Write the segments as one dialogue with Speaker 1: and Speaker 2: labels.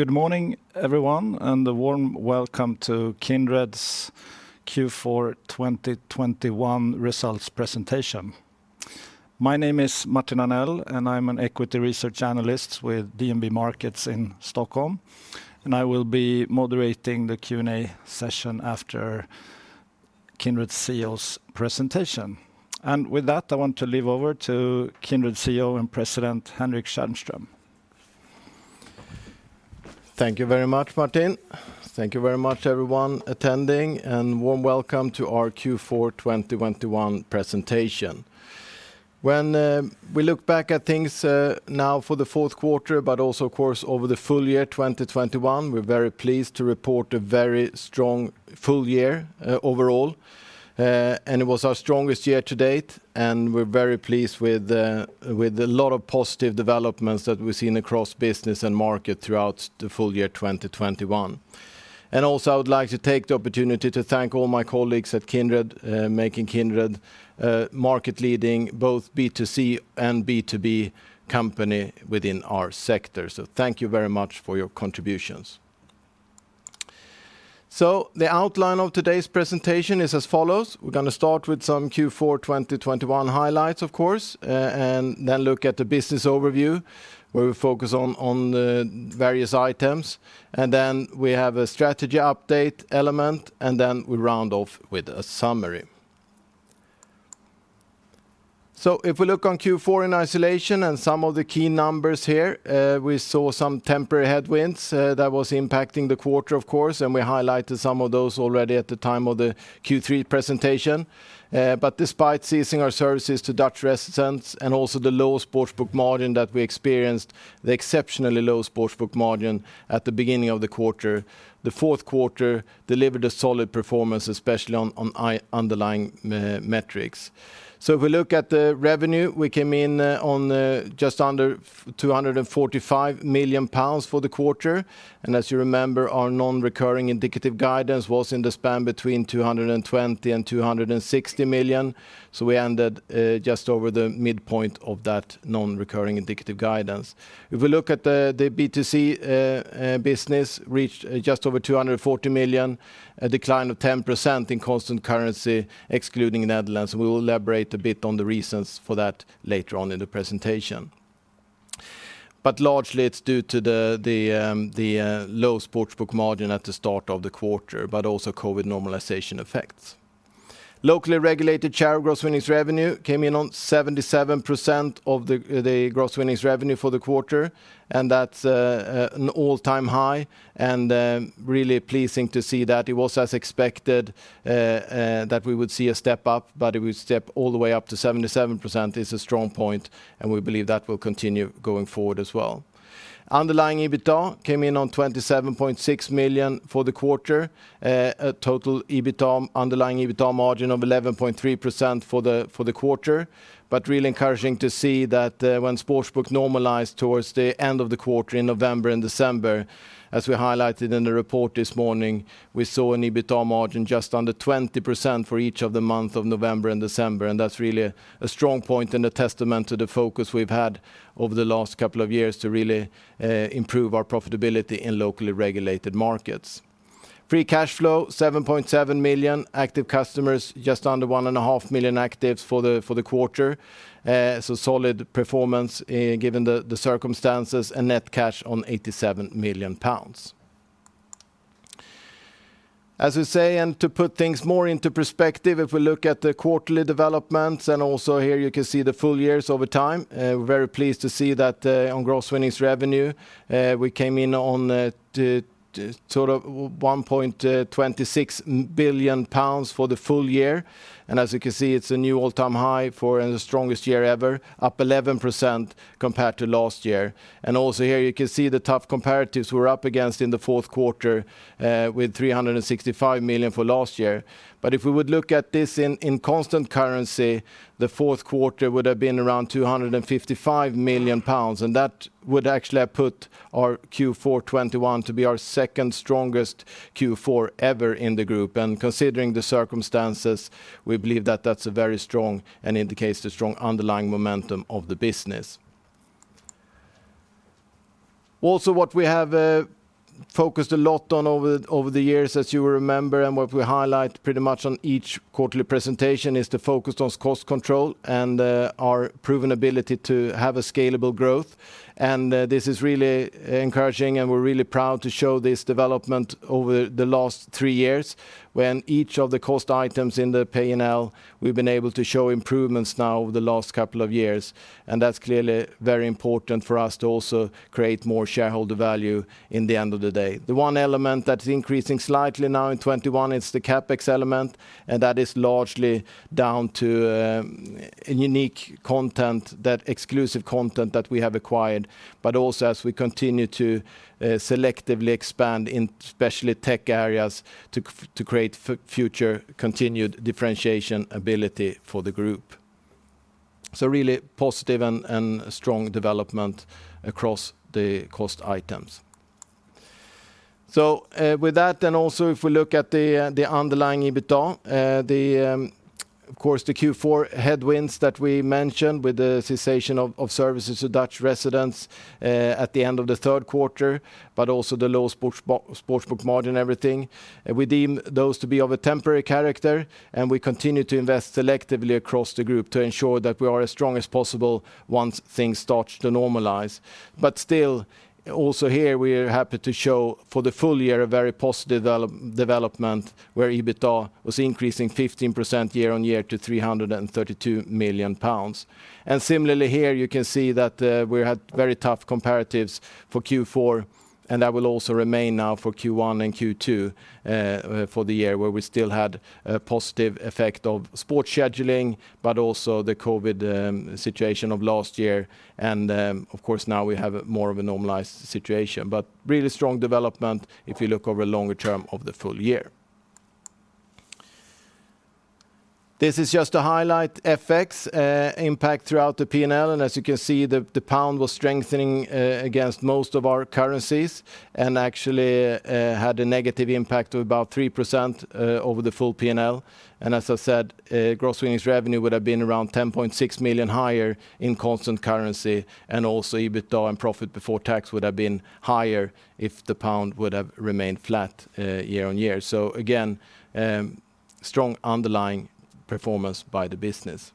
Speaker 1: Good morning, everyone, and a warm welcome to Kindred's Q4 2021 results presentation. My name is Martin Arnell, and I'm an equity research analyst with DNB Markets in Stockholm, and I will be moderating the Q&A session after Kindred's CEO's presentation. With that, I want to leave over to Kindred CEO and President Henrik Tjärnström.
Speaker 2: Thank you very much, Martin. Thank you very much, everyone attending, and warm welcome to our Q4 2021 presentation. When we look back at things now for the fourth quarter, but also, of course, over the full year 2021, we're very pleased to report a very strong full year overall. It was our strongest year to date, and we're very pleased with a lot of positive developments that we've seen across business and market throughout the full year 2021. I would like to take the opportunity to thank all my colleagues at Kindred making Kindred a market-leading, both B2C and B2B company within our sector. Thank you very much for your contributions. The outline of today's presentation is as follows. We're gonna start with some Q4 2021 highlights, of course, and then look at the business overview, where we focus on the various items. We have a strategy update element, and then we round off with a summary. If we look at Q4 in isolation and some of the key numbers here, we saw some temporary headwinds that was impacting the quarter, of course, and we highlighted some of those already at the time of the Q3 presentation. Despite ceasing our services to Dutch residents and also the low Sportsbook margin that we experienced, the exceptionally low Sportsbook margin at the beginning of the quarter, the fourth quarter delivered a solid performance, especially on underlying metrics. If we look at the revenue, we came in just under 245 million pounds for the quarter. As you remember, our non-recurring indicative guidance was in the span between 220 million and 260 million. We ended just over the midpoint of that non-recurring indicative guidance. If we look at the B2C business, reached just over 240 million, a decline of 10% in constant currency, excluding Netherlands. We will elaborate a bit on the reasons for that later on in the presentation. Largely, it's due to the low Sportsbook margin at the start of the quarter, but also COVID normalization effects. Locally regulated share of gross winnings revenue came in on 77% of the gross winnings revenue for the quarter, and that's an all-time high, and really pleasing to see that. It was as expected that we would see a step up, but it would step all the way up to 77% is a strong point, and we believe that will continue going forward as well. Underlying EBITDA came in on 27.6 million for the quarter, a total EBITDA, underlying EBITDA margin of 11.3% for the quarter. Really encouraging to see that when Sportsbook normalized towards the end of the quarter in November and December, as we highlighted in the report this morning, we saw an EBITDA margin just under 20% for each of the month of November and December, and that's really a strong point and a testament to the focus we've had over the last couple of years to really improve our profitability in locally regulated markets. Free cash flow, 7.7 million. Active customers, just under 1.5 million actives for the quarter. So solid performance, given the circumstances, and net cash of 87 million pounds. As we say, to put things more into perspective, if we look at the quarterly developments, and also here you can see the full years over time, we're very pleased to see that on gross winnings revenue we came in at sort of 1.26 billion pounds for the full year. As you can see, it's a new all-time high for and the strongest year ever, up 11% compared to last year. Also here you can see the tough comparatives we're up against in the fourth quarter, with 365 million for last year. If we would look at this in constant currency, the fourth quarter would have been around 255 million pounds, and that would actually have put our Q4 2021 to be our second strongest Q4 ever in the group. Considering the circumstances, we believe that that's a very strong and indicates the strong underlying momentum of the business. Also, what we have focused a lot on over the years, as you remember, and what we highlight pretty much on each quarterly presentation is the focus on cost control and our proven ability to have a scalable growth. This is really encouraging, and we're really proud to show this development over the last three years, when each of the cost items in the P&L, we've been able to show improvements now over the last couple of years. That's clearly very important for us to also create more shareholder value in the end of the day. The one element that is increasing slightly now in 2021 is the CapEx element, and that is largely down to a unique content, that exclusive content that we have acquired, but also as we continue to selectively expand in especially tech areas to create future continued differentiation ability for the group. Really positive and strong development across the cost items. With that, and also if we look at the underlying EBITDA, of course, the Q4 headwinds that we mentioned with the cessation of services to Dutch residents at the end of the third quarter, but also the low sportsbook margin and everything. We deem those to be of a temporary character, and we continue to invest selectively across the group to ensure that we are as strong as possible once things start to normalize. Still, also here, we're happy to show for the full year a very positive development where EBITDA was increasing 15% year-on-year to 332 million pounds. Similarly here, you can see that we had very tough comparatives for Q4, and that will also remain now for Q1 and Q2 for the year, where we still had a positive effect of sports scheduling, but also the COVID situation of last year. Of course, now we have more of a normalized situation. Really strong development if you look over a longer term of the full year. This is just to highlight FX impact throughout the P&L. As you can see, the pound was strengthening against most of our currencies and actually had a negative impact of about 3% over the full P&L. As I said, gross winnings revenue would have been around 10.6 million higher in constant currency, and also EBITDA and profit before tax would have been higher if the pound would have remained flat year-on-year. Again, strong underlying performance by the business.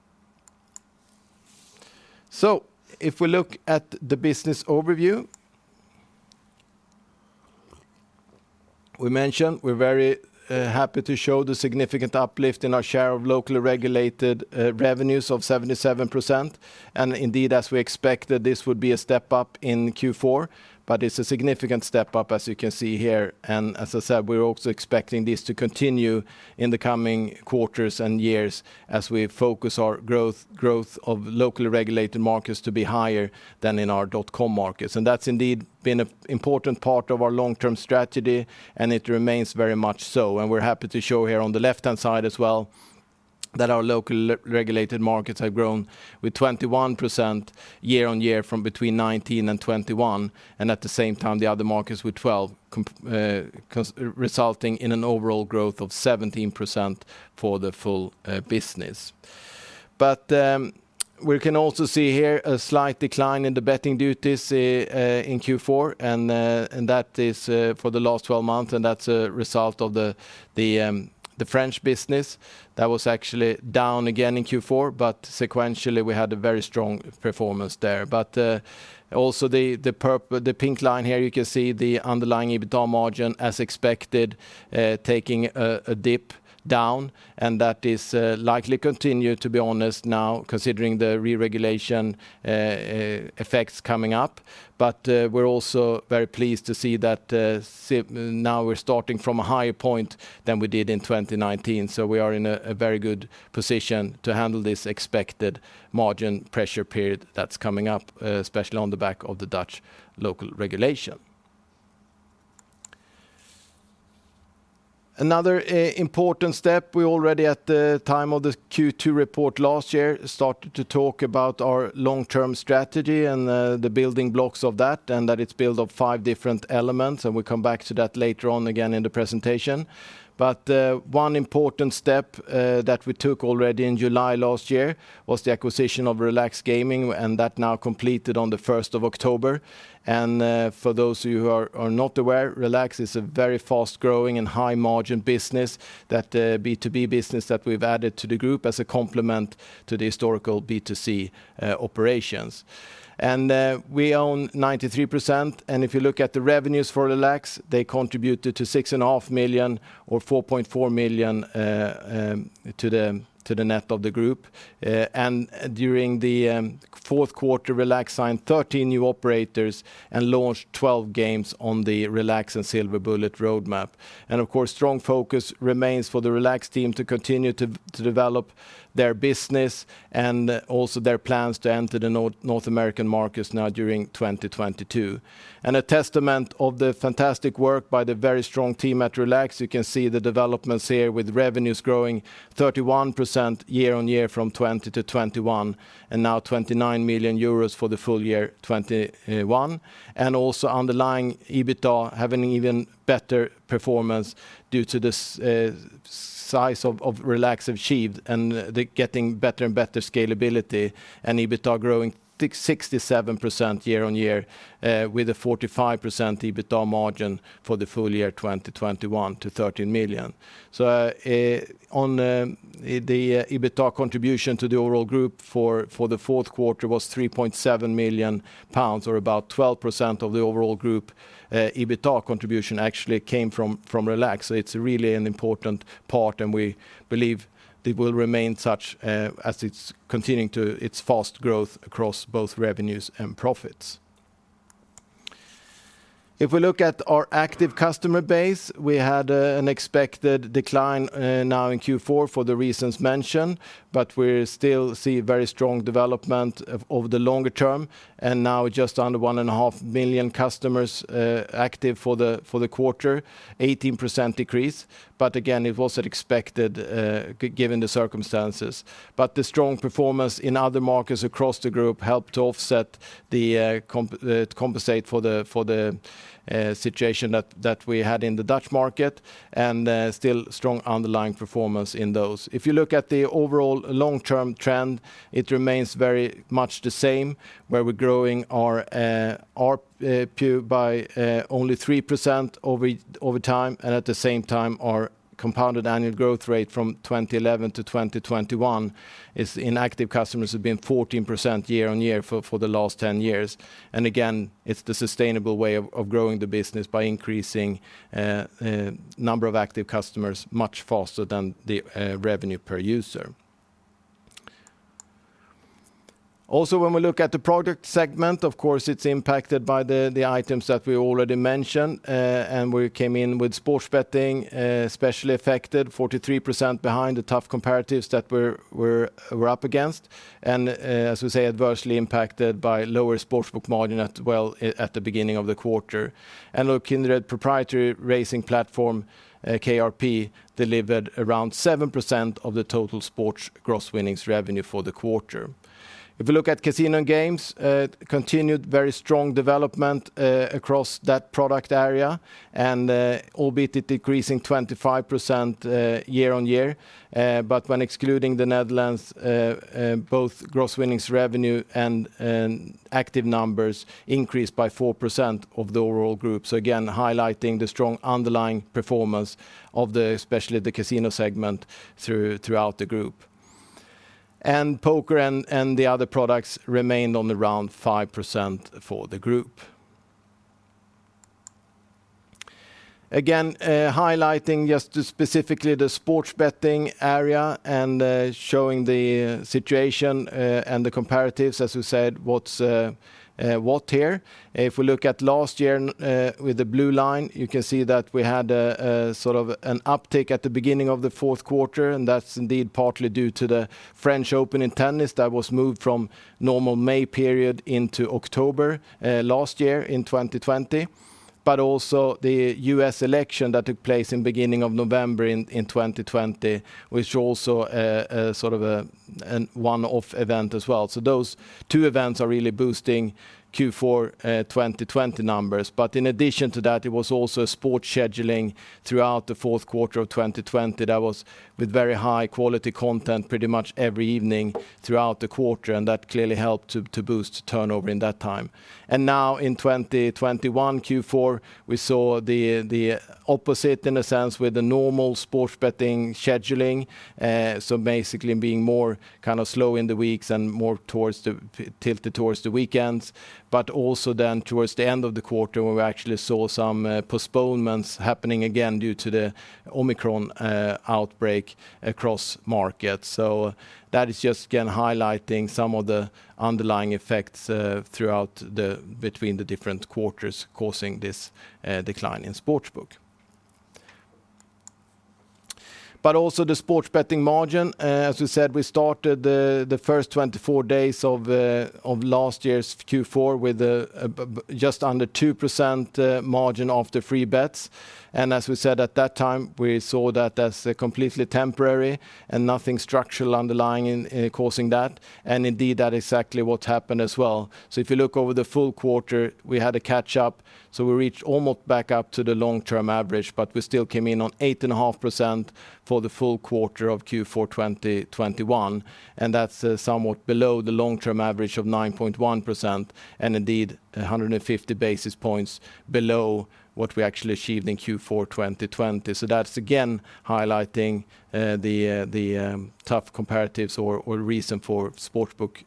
Speaker 2: If we look at the business overview. We mentioned we're very happy to show the significant uplift in our share of locally regulated revenues of 77%. Indeed, as we expected, this would be a step up in Q4. It's a significant step up, as you can see here. As I said, we're also expecting this to continue in the coming quarters and years as we focus our growth of locally regulated markets to be higher than in our dotcom markets. That's indeed been an important part of our long-term strategy, and it remains very much so. We're happy to show here on the left-hand side as well that our local re-regulated markets have grown with 21% year-on-year from between 2019 and 2021. At the same time, the other markets with 12 comp resulting in an overall growth of 17% for the full business. We can also see here a slight decline in the betting duties in Q4, and that is for the last 12 months, and that's a result of the French business that was actually down again in Q4. Sequentially, we had a very strong performance there. Also the pink line here, you can see the underlying EBITDA margin, as expected, taking a dip down, and that is likely to continue, to be honest now, considering the re-regulation effects coming up. We're also very pleased to see that now we're starting from a higher point than we did in 2019. We are in a very good position to handle this expected margin pressure period that's coming up, especially on the back of the Dutch local regulation. Another important step, we already at the time of the Q2 report last year started to talk about our long-term strategy and the building blocks of that, and that it's built of five different elements, and we'll come back to that later on again in the presentation. One important step that we took already in July last year was the acquisition of Relax Gaming, and that now completed on the first of October. For those of you who are not aware, Relax is a very fast-growing and high-margin business that B2B business that we've added to the group as a complement to the historical B2C operations. We own 93%, and if you look at the revenues for Relax, they contributed 6.5 million or 4.4 million to the net of the group. During the fourth quarter, Relax signed 13 new operators and launched 12 games on the Relax and Silver Bullet roadmap. Of course, strong focus remains for the Relax team to continue to develop their business and also their plans to enter the North American markets now during 2022. A testament of the fantastic work by the very strong team at Relax, you can see the developments here with revenues growing 31% year-on-year from 2020 to 2021, and now 29 million euros for the full year 2021. Underlying EBITDA having even better performance due to the size of Relax achieved and the getting better and better scalability and EBITDA growing 67% year-on-year, with a 45% EBITDA margin for the full year 2021 to 13 million. The EBITDA contribution to the overall group for the fourth quarter was 3.7 million pounds or about 12% of the overall group EBITDA contribution actually came from Relax. It's really an important part, and we believe it will remain such, as it's continuing to its fast growth across both revenues and profits. If we look at our active customer base, we had an expected decline now in Q4 for the reasons mentioned, but we still see very strong development of the longer term and now just under 1.5 million customers active for the quarter, 18% decrease. Again, it was expected given the circumstances. The strong performance in other markets across the group helped to offset the compensate for the situation that we had in the Dutch market, and still strong underlying performance in those. If you look at the overall long-term trend, it remains very much the same, where we're growing our ARPU by only 3% over time. At the same time, our compounded annual growth rate from 2011 to 2021 in active customers has been 14% year-over-year for the last 10 years. Again, it's the sustainable way of growing the business by increasing number of active customers much faster than the revenue per user. Also, when we look at the product segment, of course, it's impacted by the items that we already mentioned. We came in with sports betting, especially affected 43% behind the tough comparatives that we're up against. As we say, adversely impacted by lower sportsbook margin at the beginning of the quarter. Kindred Racing Platform, KRP, delivered around 7% of the total sports gross winnings revenue for the quarter. If we look at casino games continued very strong development across that product area, and albeit it decreasing 25% year-on-year. When excluding the Netherlands, both gross winnings revenue and active numbers increased by 4% for the overall group. Again, highlighting the strong underlying performance of, especially the casino segment throughout the group. Poker and the other products remained on around 5% for the group. Again, highlighting just specifically the sports betting area and showing the situation and the comparatives, as we said. If we look at last year with the blue line, you can see that we had a sort of an uptick at the beginning of the fourth quarte, and that's indeed partly due to the French Open in tennis that was moved from normal May period into October last year in 2020. Also the U.S. election that took place in beginning of November in 2020, which also sort of an one-off event as well. Those two events are really boosting Q4 2020 numbers. In addition to that, it was also sports scheduling throughout the fourth quarter of 2020 that was with very high-quality content pretty much every evening throughout the quarter. That clearly helped to boost turnover in that time. Now in 2021 Q4, we saw the opposite in a sense with the normal sports betting scheduling. So basically being more kind of slow in the weeks and more tilted towards the weekends, but also then towards the end of the quarter, we actually saw some postponements happening again due to the Omicron outbreak across markets. So that is just again highlighting some of the underlying effects between the different quarters causing this decline in sportsbook. But also the sports betting margin, as we said, we started the first 24 days of last year's Q4 with just under 2% margin of the free bets. As we said at that time, we saw that as completely temporary and nothing structural underlying in causing that. Indeed, that's exactly what happened as well. If you look over the full quarter, we had a catch up, so we reached almost back up to the long-term average, but we still came in on 8.5% for the full quarter of Q4 2021, and that's somewhat below the long-term average of 9.1%, and indeed 150 basis points below what we actually achieved in Q4 2020. That's again highlighting the tough comparatives or reason for sportsbook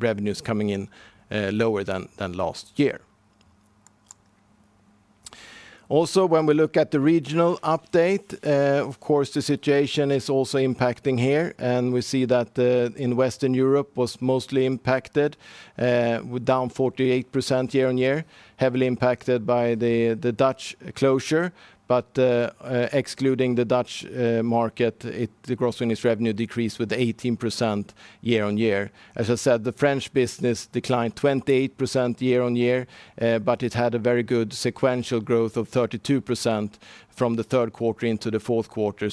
Speaker 2: revenues coming in lower than last year. When we look at the regional update, of course, the situation is also impacting here, and we see that in Western Europe was mostly impacted with down 48% year-on-year, heavily impacted by the Dutch closure. Excluding the Dutch market, the gross winnings revenue decreased with 18% year-on-year. As I said, the French business declined 28% year-on-year, but it had a very good sequential growth of 32% from the third quarter into the fourth quarter.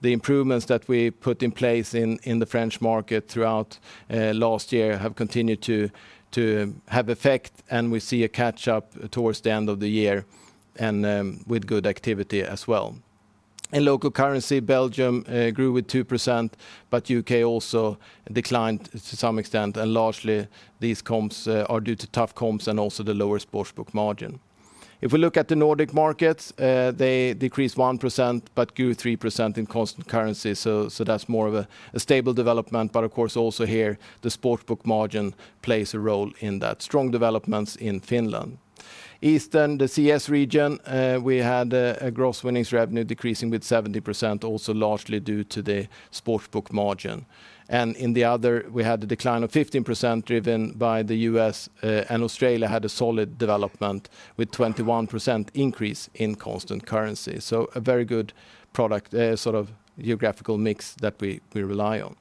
Speaker 2: The improvements that we put in place in the French market throughout last year have continued to have effect, and we see a catch up towards the end of the year and with good activity as well. In local currency, Belgium grew 2%, but U.K. also declined to some extent, and largely these comps are due to tough comps and also the lower sportsbook margin. If we look at the Nordic markets, they decreased 1%, but grew 3% in constant currency. So that's more of a stable development. But of course, also here, the sportsbook margin plays a role in that. Strong developments in Finland. Eastern, the CEE region, we had a gross winnings revenue decreasing 70%, also largely due to the sportsbook margin. In the other, we had a decline of 15% driven by the U.S., and Australia had a solid development with 21% increase in constant currency. A very good product, sort of geographical mix that we rely on.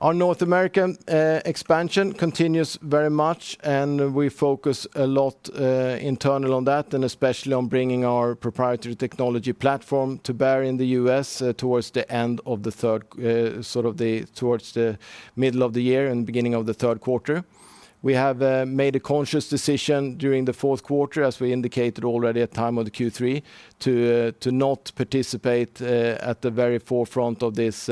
Speaker 2: Our North American expansion continues very much, and we focus a lot internally on that, and especially on bringing our proprietary technology platform to bear in the U.S. towards the middle of the year and beginning of the third quarter. We have made a conscious decision during the fourth quarter, as we indicated already at the time of the Q3, to not participate at the very forefront of this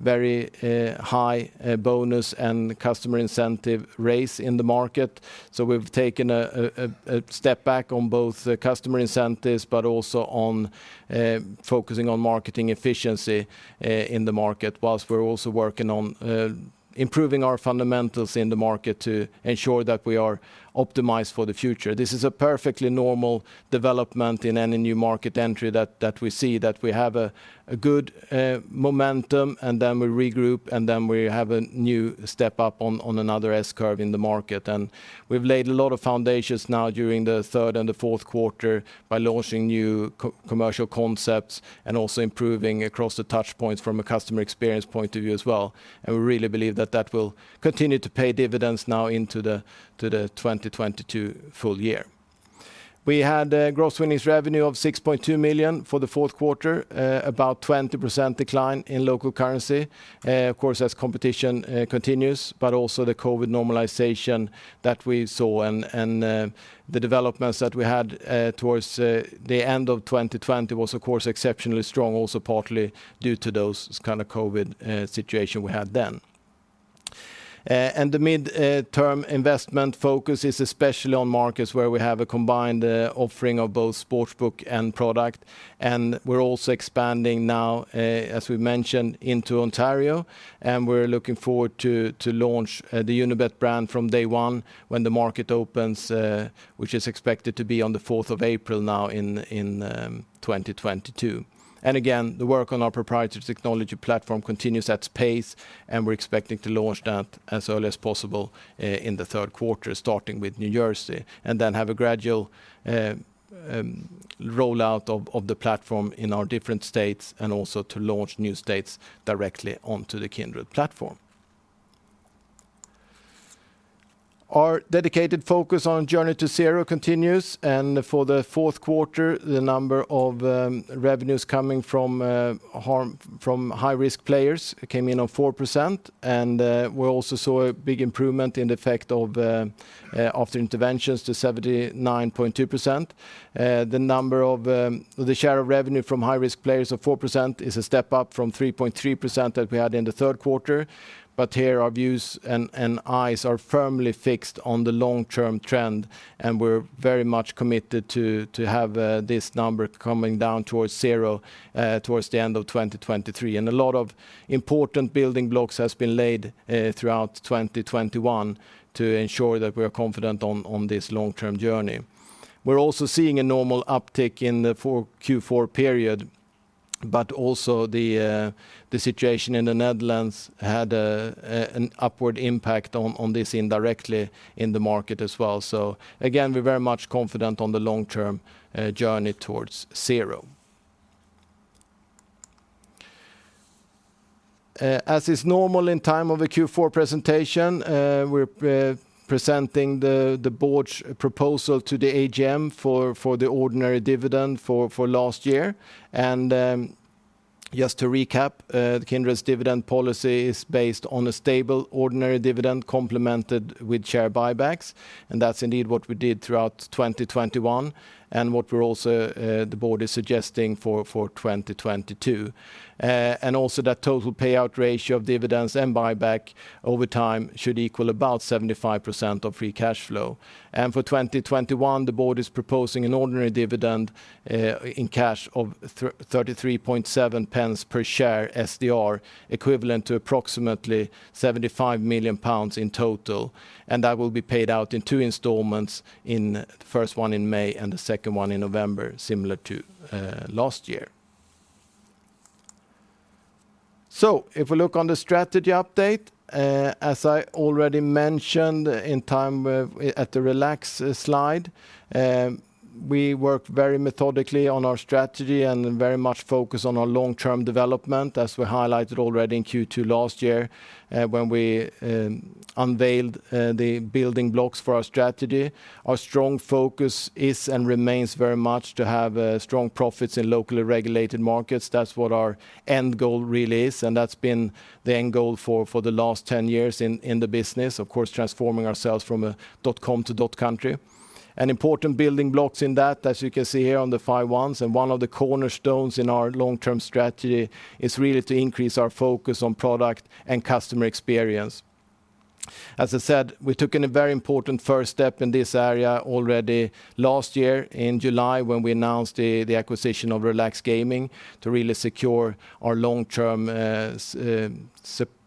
Speaker 2: very high bonus and customer incentive race in the market. We've taken a step back on both the customer incentives, but also on focusing on marketing efficiency in the market while we're also working on improving our fundamentals in the market to ensure that we are optimized for the future. This is a perfectly normal development in any new market entry that we see that we have a good momentum, and then we regroup, and then we have a new step up on another S-curve in the market. We've laid a lot of foundations now during the third and the fourth quarter by launching new co-commercial concepts and also improving across the touch points from a customer experience point of view as well. We really believe that that will continue to pay dividends now into the 2022 full year. We had a gross winnings revenue of 6.2 million for the fourth quarter, about 20% decline in local currency. Of course, as competition continues, but also the COVID normalization that we saw and the developments that we had towards the end of 2020 was, of course, exceptionally strong, also partly due to those kind of COVID situation we had then. The mid-term investment focus is especially on markets where we have a combined offering of both Sportsbook and product. We're also expanding now, as we mentioned, into Ontario, and we're looking forward to launch the Unibet brand from day one when the market opens, which is expected to be on April 4, 2022. Again, the work on our proprietary technology platform continues at pace, and we're expecting to launch that as early as possible in the third quarter, starting with New Jersey, and then have a gradual rollout of the platform in our different states, and also to launch new states directly onto the Kindred platform. Our dedicated focus on Journey to Zero continues, and for the fourth quarter, the number of revenues coming from high-risk players came in on 4%, and we also saw a big improvement in the effect of after interventions to 79.2%. The share of revenue from high-risk players of 4% is a step up from 3.3% that we had in the third quarter. Here, our views and eyes are firmly fixed on the long-term trend, and we're very much committed to have this number coming down towards zero towards the end of 2023. A lot of important building blocks has been laid throughout 2021 to ensure that we are confident on this long-term journey. We're also seeing a normal uptick in the Q4 period, but also the situation in the Netherlands had an upward impact on this indirectly in the market as well. Again, we're very much confident on the long-term journey towards zero. As is normal in time of a Q4 presentation, we're presenting the board's proposal to the AGM for the ordinary dividend for last year. Just to recap, Kindred's dividend policy is based on a stable ordinary dividend complemented with share buybacks. That's indeed what we did throughout 2021 and what we're also the board is suggesting for 2022. Also that total payout ratio of dividends and buyback over time should equal about 75% of free cash flow. For 2021, the board is proposing an ordinary dividend in cash of 0.337 per share SDR, equivalent to approximately 75 million pounds in total. That will be paid out in two installments, in the first one in May and the second one in November, similar to last year. If we look on the strategy update, as I already mentioned at the Relax slide, we work very methodically on our strategy and very much focus on our long-term development, as we highlighted already in Q2 last year, when we unveiled the building blocks for our strategy. Our strong focus is and remains very much to have strong profits in locally regulated markets. That's what our end goal really is, and that's been the end goal for the last 10 years in the business, of course, transforming ourselves from a dot-com to dot-country. Important building blocks in that, as you can see here on the five ones, and one of the cornerstones in our long-term strategy is really to increase our focus on product and customer experience. As I said, we took a very important first step in this area already last year in July when we announced the acquisition of Relax Gaming to really secure our long-term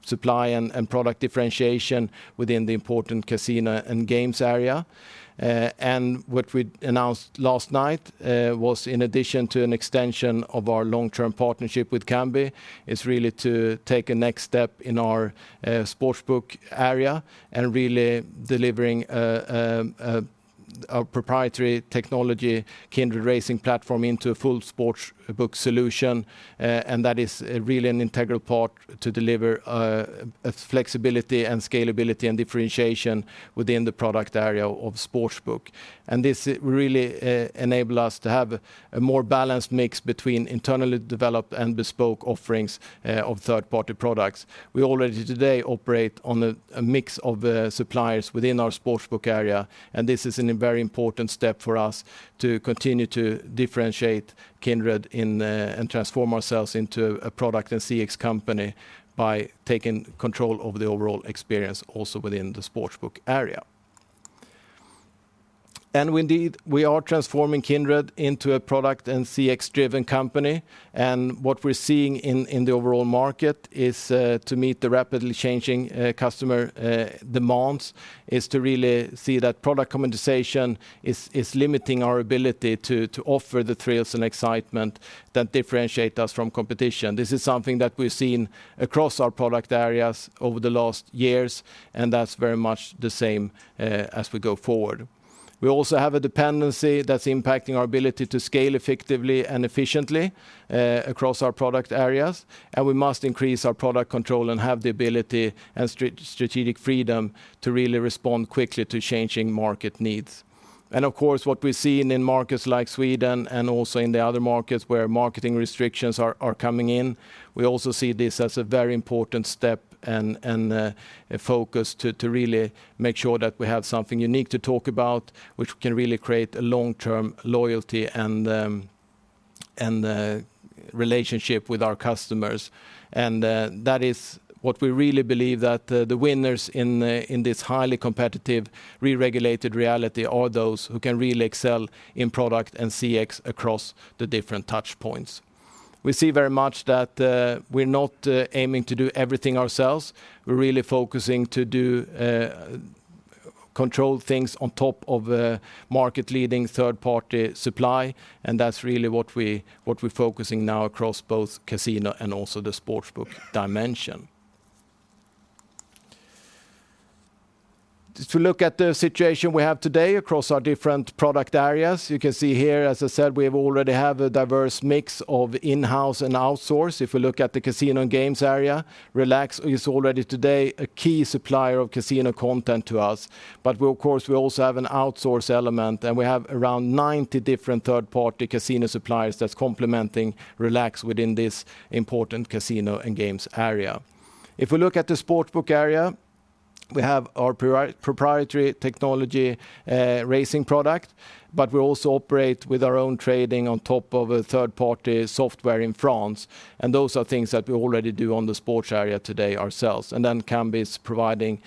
Speaker 2: supply and product differentiation within the important casino and games area. What we announced last night was in addition to an extension of our long-term partnership with Kambi, is really to take a next step in our sportsbook area and really delivering our proprietary technology Kindred Racing Platform into a full sportsbook solution. That is really an integral part to deliver a flexibility We also have a dependency that's impacting our ability to scale effectively and efficiently across our product areas, and we must increase our product control and have the ability and strategic freedom to really respond quickly to changing market needs. Of course, what we're seeing in markets like Sweden and also in the other markets where marketing restrictions are coming in, we also see this as a very important step and a focus to really make sure that we have something unique to talk about, which can really create a long-term loyalty and relationship with our customers. That is what we really believe that the winners in this highly competitive re-regulated reality are those who can really excel in product and CX across the different touchpoints. We see very much that we're not aiming to do everything ourselves. We're really focusing to do control things on top of market-leading third-party supply, and that's really what we're focusing now across both casino and also the sportsbook dimension. To look at the situation we have today across our different product areas, you can see here, as I said, we already have a diverse mix of in-house and outsource. If we look at the casino and games area, Relax is already today a key supplier of casino content to us. But we, of course, also have an outsource element, and we have around 90 different third-party casino suppliers that's complementing Relax within this important casino and games area. If we look at the sportsbook area, we have our proprietary technology, racing product, but we also operate with our own trading on top of a third-party software in France. Those are things that we already do on the sports area today ourselves. Kambi is providing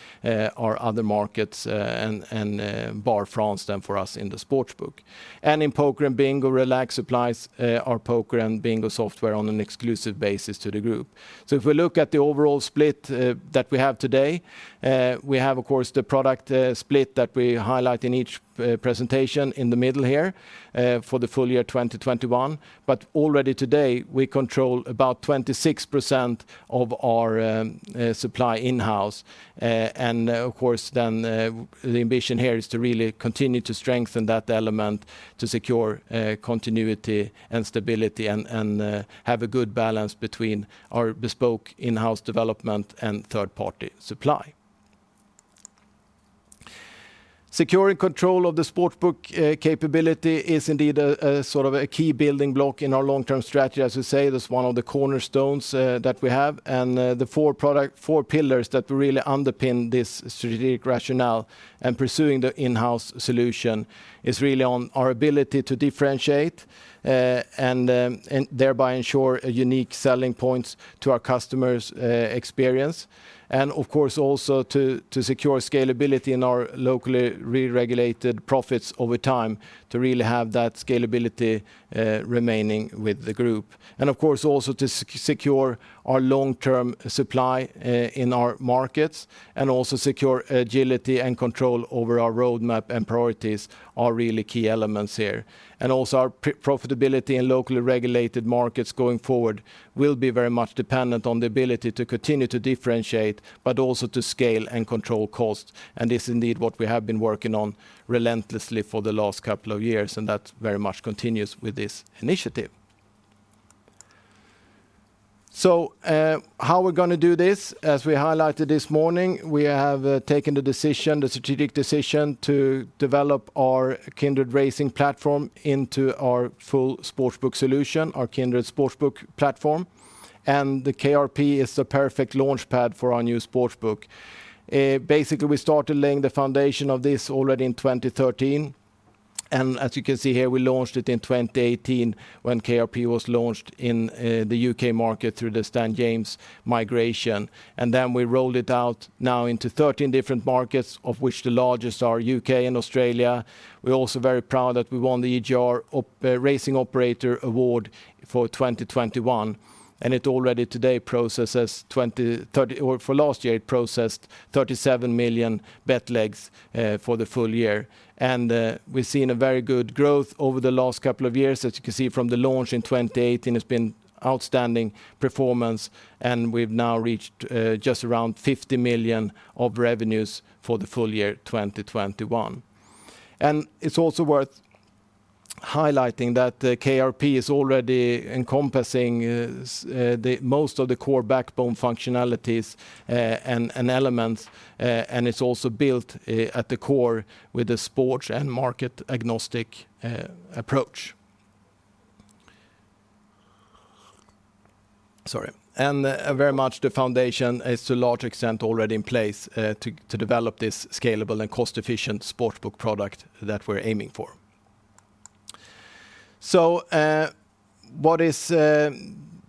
Speaker 2: our other markets, and apart from France, then for us in the sportsbook. In poker and bingo, Relax supplies our poker and bingo software on an exclusive basis to the group. If we look at the overall split that we have today, we have, of course, the product split that we highlight in each presentation in the middle here for the full year 2021. Already today, we control about 26% of our supply in-house. Of course, the ambition here is to really continue to strengthen that element to secure continuity and stability and have a good balance between our bespoke in-house development and third-party supply. Securing control of the sportsbook capability is indeed a sort of a key building block in our long-term strategy. As we say, that's one of the cornerstones that we have. The four pillars that really underpin this strategic rationale and pursuing the in-house solution is really on our ability to differentiate and thereby ensure a unique selling points to our customers' experience, and of course also to secure scalability in our locally regulated markets over time to really have that scalability remaining with the group. Of course, also to secure our long-term supply in our markets and also secure agility and control over our roadmap and priorities are really key elements here. Also our profitability in locally regulated markets going forward will be very much dependent on the ability to continue to differentiate, but also to scale and control costs. This is indeed what we have been working on relentlessly for the last couple of years, and that very much continues with this initiative. How we're gonna do this? As we highlighted this morning, we have taken the decision, the strategic decision to develop our Kindred Racing Platform into our full sportsbook solution, our Kindred Sportsbook Platform. The KRP is the perfect launchpad for our new sportsbook. Basically, we started laying the foundation of this already in 2013. As you can see here, we launched it in 2018 when KRP was launched in the U.K. market through the Stan James migration. Then we rolled it out now into 13 different markets of which the largest are U.K. and Australia. We're also very proud that we won the EGR Racing Operator Award for 2021, and it already today processes for last year, it processed 37 million bet legs for the full year. We've seen a very good growth over the last couple of years. As you can see from the launch in 2018, it's been outstanding performance, and we've now reached just around 50 million of revenues for the full year 2021. It's also worth highlighting that the KRP is already encompassing the most of the core backbone functionalities and elements, and it's also built at the core with the sports and market-agnostic approach. Very much the foundation is to a large extent already in place to develop this scalable and cost-efficient sports book product that we're aiming for.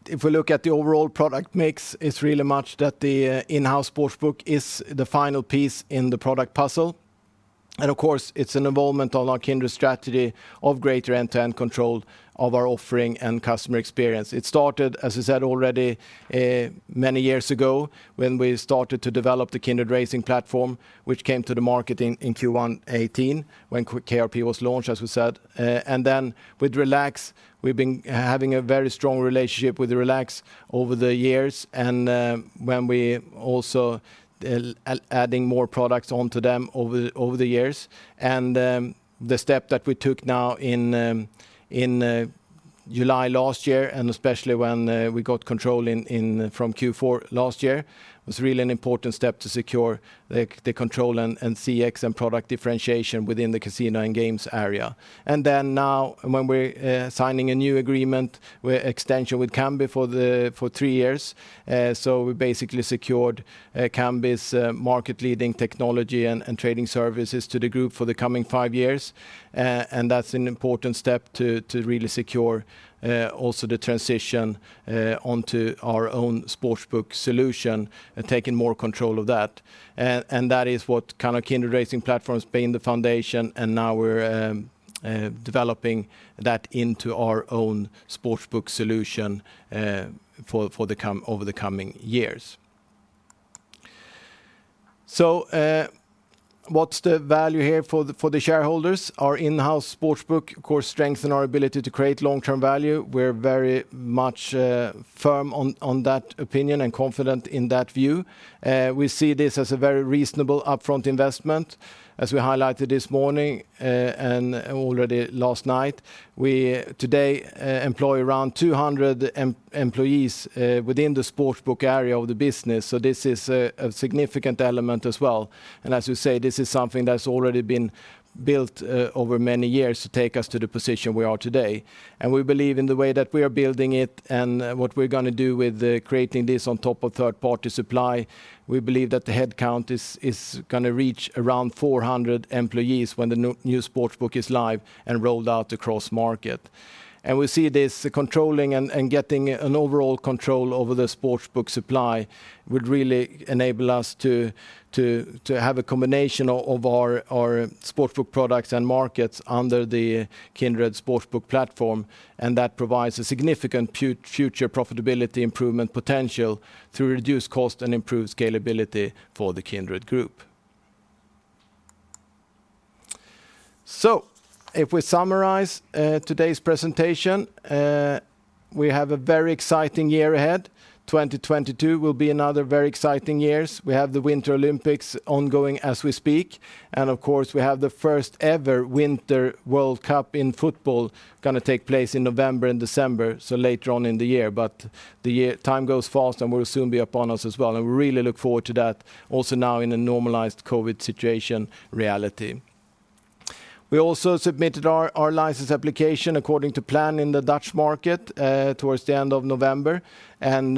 Speaker 2: If we look at the overall product mix, it's really much that the in-house sports book is the final piece in the product puzzle. Of course, it's an involvement on our Kindred strategy of greater end-to-end control of our offering and customer experience. It started, as I said already, many years ago, when we started to develop the Kindred Racing Platform, which came to the market in Q1 2018 when KRP was launched, as we said. Then with Relax, we've been having a very strong relationship with Relax over the years and when we also adding more products onto them over the years. The step that we took now in July last year and especially when we got control from Q4 last year was really an important step to secure the control and CX and product differentiation within the casino and games area. Now when we're signing a new agreement with extension with Kambi for three years, so we basically secured Kambi's market-leading technology and trading services to the group for the coming five years. That's an important step to really secure also the transition onto our own sportsbook solution and taking more control of that. That is what kind of Kindred Racing Platform's been the foundation, today's presentation, we have a very exciting year ahead. 2022 will be another very exciting year. We have the Winter Olympics ongoing as we speak, and of course, we have the first ever Winter World Cup in football gonna take place in November and December, so later on in the year. The year time goes fast and will soon be upon us as well, and we really look forward to that also now in a normalized COVID situation reality. We also submitted our license application according to plan in the Dutch market towards the end of November, and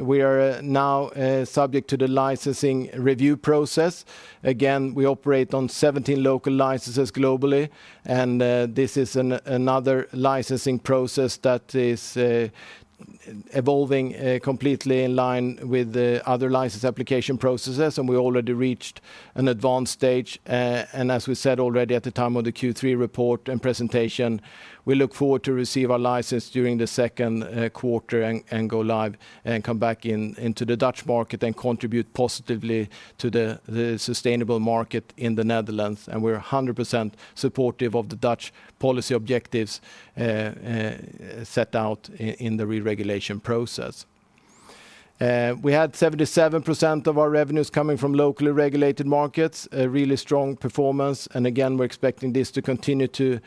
Speaker 2: we are now subject to the licensing review process. Again, we operate on 17 local licenses globally, and this is another licensing process that is evolving completely in line with the other license application processes, and we already reached an advanced stage. As we said already at the time of the Q3 report and presentation, we look forward to receive our license during the second quarter and go live and come back into the Dutch market and contribute positively to the sustainable market in the Netherlands, and we're 100% supportive of the Dutch policy objectives set out in the re-regulation process. We had 77% of our revenues coming from locally regulated markets, a really strong performance, and again, we're expecting this to continue to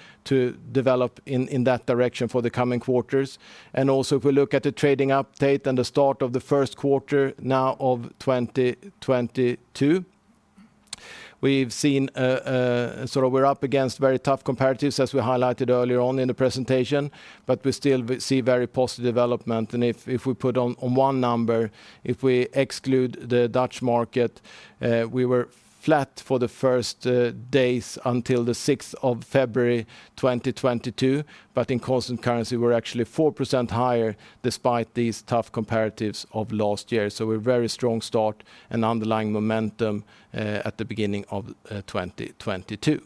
Speaker 2: develop in that direction for the coming quarters. If we look at the trading update and the start of the first quarter of 2022, we've seen. We're up against very tough comparatives, as we highlighted earlier on in the presentation, but we still see very positive development. If we put on one number, if we exclude the Dutch market, we were flat for the first days until the 6th of February 2022. In constant currency, we're actually 4% higher despite these tough comparatives of last year. A very strong start and underlying momentum at the beginning of 2022.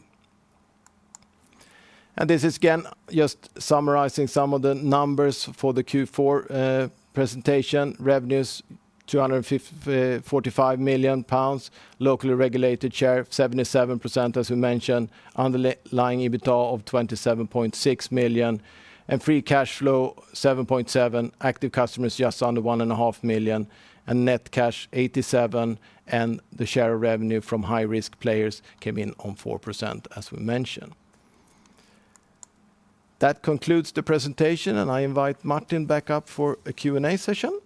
Speaker 2: This is again just summarizing some of the numbers for the Q4 presentation. Revenues, 245 million pounds. Locally regulated share, 77%, as we mentioned. Underlying EBITDA of 27.6 million, and free cash flow, 7.7 million. Active customers, just under 1.5 million, and net cash, 87 million, and the share of revenue from high-risk players came in on 4%, as we mentioned. That concludes the presentation, and I invite Martin back up for a Q&A session.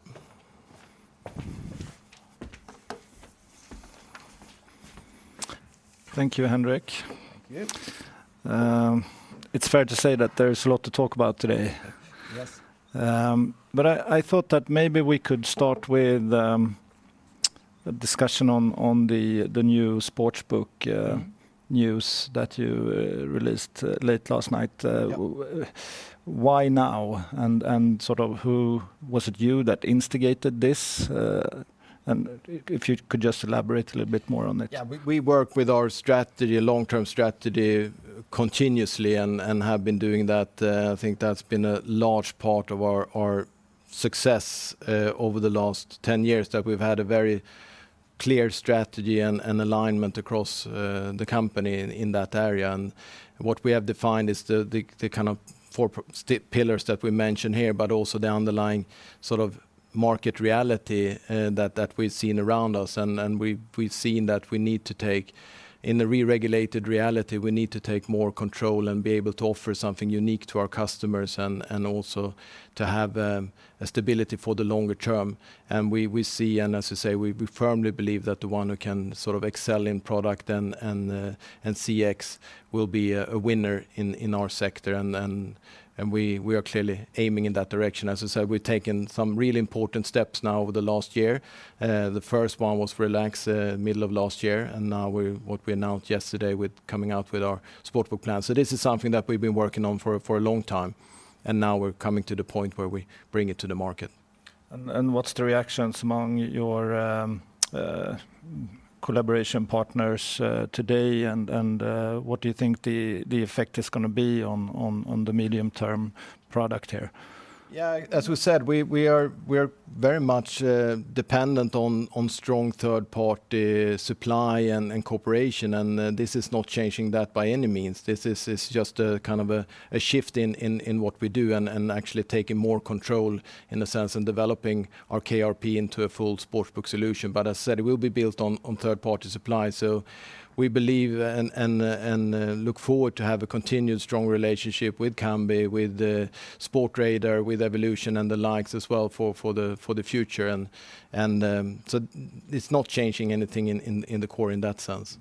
Speaker 1: Thank you, Henrik.
Speaker 2: Thank you.
Speaker 1: It's fair to say that there is a lot to talk about today.
Speaker 2: Yes.
Speaker 1: I thought that maybe we could start with a discussion on the new sportsbook news that you released late last night.
Speaker 2: Yeah
Speaker 1: Why now? Sort of who was it you that instigated this? If you could just elaborate a little bit more on it.
Speaker 2: Yeah. We work with our strategy, long-term strategy continuously and have been doing that. I think that's been a large part of our success over the last 10 years, that we've had a very clear strategy and alignment across the company in that area. What we have defined is the kind of four pillars that we mention here but also the underlying sort of market reality that we've seen around us. We've seen that in the re-regulated reality, we need to take more control and be able to offer something unique to our customers and also to have a stability for the longer term. We see, and as you say, we firmly believe that the one who can sort of excel in product and CX will be a winner in our sector. We are clearly aiming in that direction. As I said, we've taken some real important steps now over the last year. The first one was Relax, middle of last year, and now what we announced yesterday with coming out with our sportsbook plans. This is something that we've been working on for a long time, and now we're coming to the point where we bring it to the market.
Speaker 1: What's the reactions among your collaboration partners today and what do you think the effect is gonna be on the medium-term product here?
Speaker 2: As we said, we are very much dependent on strong third-party supply and cooperation. This is not changing that by any means. This is just a kind of a shift in what we do and actually taking more control in a sense and developing our KRP into a full sportsbook solution. As I said, it will be built on third-party supply. We believe and look forward to have a continued strong relationship with Kambi, with Sportradar, with Evolution and the likes as well for the future. It's not changing anything in the core in that sense.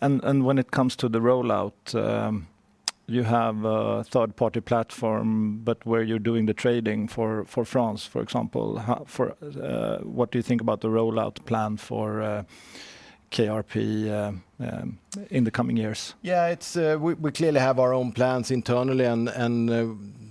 Speaker 1: When it comes to the rollout, you have a third-party platform, but where you're doing the trading for France, for example, what do you think about the rollout plan for KRP in the coming years?
Speaker 2: We clearly have our own plans internally and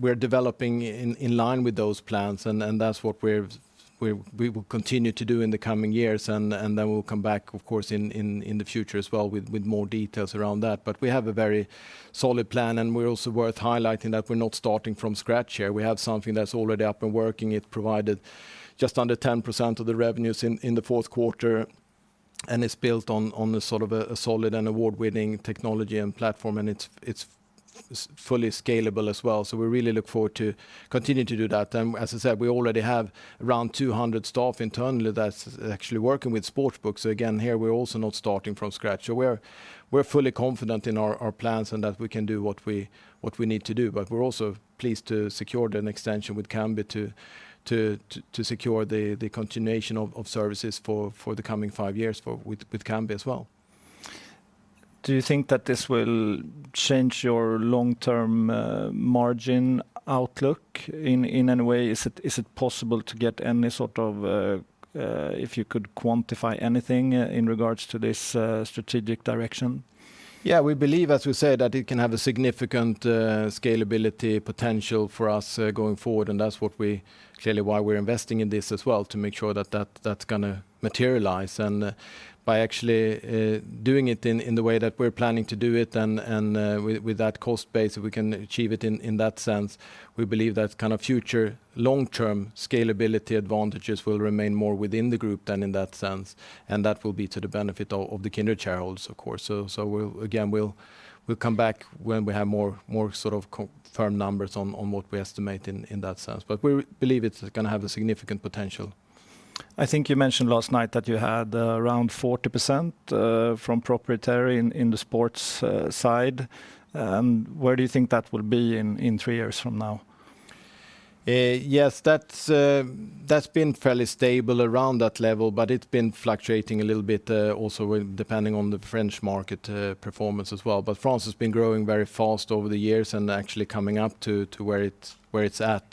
Speaker 2: we're developing in line with those plans and that's what we will continue to do in the coming years. Then we'll come back of course in the future as well with more details around that. But we have a very solid plan, and we're also worth highlighting that we're not starting from scratch here. We have something that's already up and working. It provided just under 10% of the revenues in the fourth quarter, and it's built on a sort of solid and award-winning technology and platform, and it's fully scalable as well. We really look forward to continue to do that. As I said, we already have around 200 staff internally that's actually working with sportsbooks. Again, here, we're also not starting from scratch. We're fully confident in our plans and that we can do what we need to do. We're also pleased to secure an extension with Kambi to secure the continuation of services for the coming 5 years with Kambi as well.
Speaker 1: Do you think that this will change your long-term margin outlook in any way? Is it possible to get any sort of if you could quantify anything in regards to this strategic direction?
Speaker 2: Yeah. We believe, as we said, that it can have a significant scalability potential for us going forward, and that's clearly why we're investing in this as well, to make sure that that's gonna materialize. By actually doing it in the way that we're planning to do it and with that cost base, if we can achieve it in that sense, we believe that kind of future long-term scalability advantages will remain more within the group than in that sense, and that will be to the benefit of the Kindred shareholders, of course. We'll again come back when we have more sort of confirmed numbers on what we estimate in that sense. We believe it's gonna have a significant potential.
Speaker 1: I think you mentioned last night that you had around 40% from proprietary in the sports side. Where do you think that will be in 3 years from now?
Speaker 2: Yes. That's been fairly stable around that level, but it's been fluctuating a little bit, also depending on the French market performance as well. France has been growing very fast over the years and actually coming up to where it's at.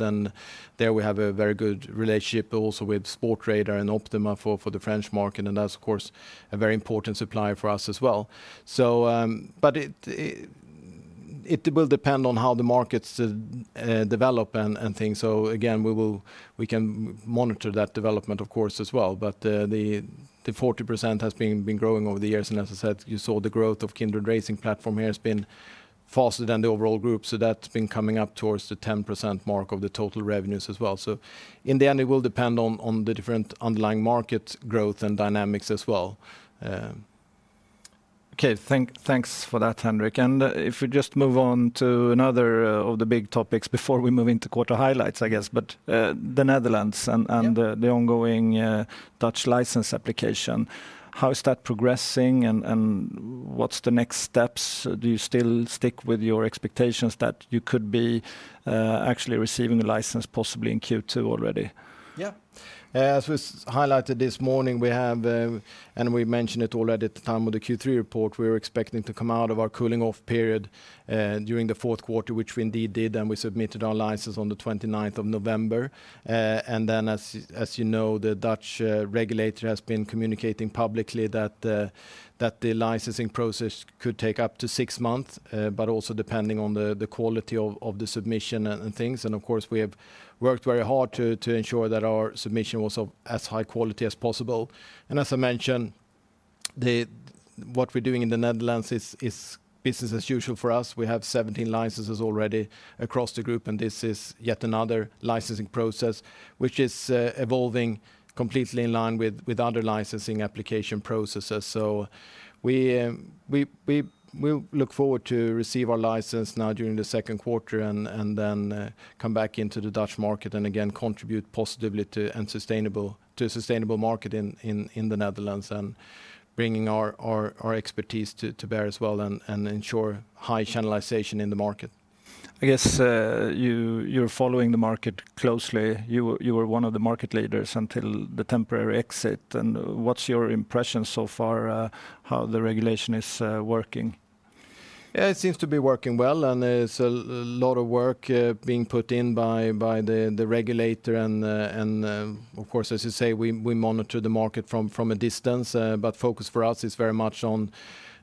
Speaker 2: There we have a very good relationship also with Sportradar and Optima for the French market, and that's of course a very important supplier for us as well. It will depend on how the markets develop and things. Again, we can monitor that development of course as well. The 40% has been growing over the years, and as I said, you saw the growth of Kindred Racing Platform here has been faster than the overall group. That's been coming up towards the 10% mark of the total revenues as well. In the end, it will depend on the different underlying market growth and dynamics as well.
Speaker 1: Okay. Thanks for that, Henrik. If we just move on to another of the big topics before we move into quarter highlights, I guess. The Netherlands.
Speaker 2: Yeah
Speaker 1: The ongoing Dutch license application, how is that progressing, and what's the next steps? Do you still stick with your expectations that you could be actually receiving a license possibly in Q2 already?
Speaker 2: Yeah. As was highlighted this morning, we have and we mentioned it already at the time of the Q3 report, we were expecting to come out of our cooling off period during the fourth quarter, which we indeed did, and we submitted our license on the twenty-ninth of November. As you know, the Dutch regulator has been communicating publicly that the licensing process could take up to six months, but also depending on the quality of the submission and things. Of course, we have worked very hard to ensure that our submission was of as high quality as possible. As I mentioned, what we're doing in the Netherlands is business as usual for us. We have 17 licenses already across the group, and this is yet another licensing process which is evolving completely in line with other licensing application processes. We look forward to receive our license now during the second quarter and then come back into the Dutch market and again contribute positively to a sustainable market in the Netherlands and bringing our expertise to bear as well and ensure high channelization in the market.
Speaker 1: I guess you're following the market closely. You were one of the market leaders until the temporary exit. What's your impression so far, how the regulation is working?
Speaker 2: Yeah, it seems to be working well, and there's a lot of work being put in by the regulator and of course, as you say, we monitor the market from a distance. Focus for us is very much on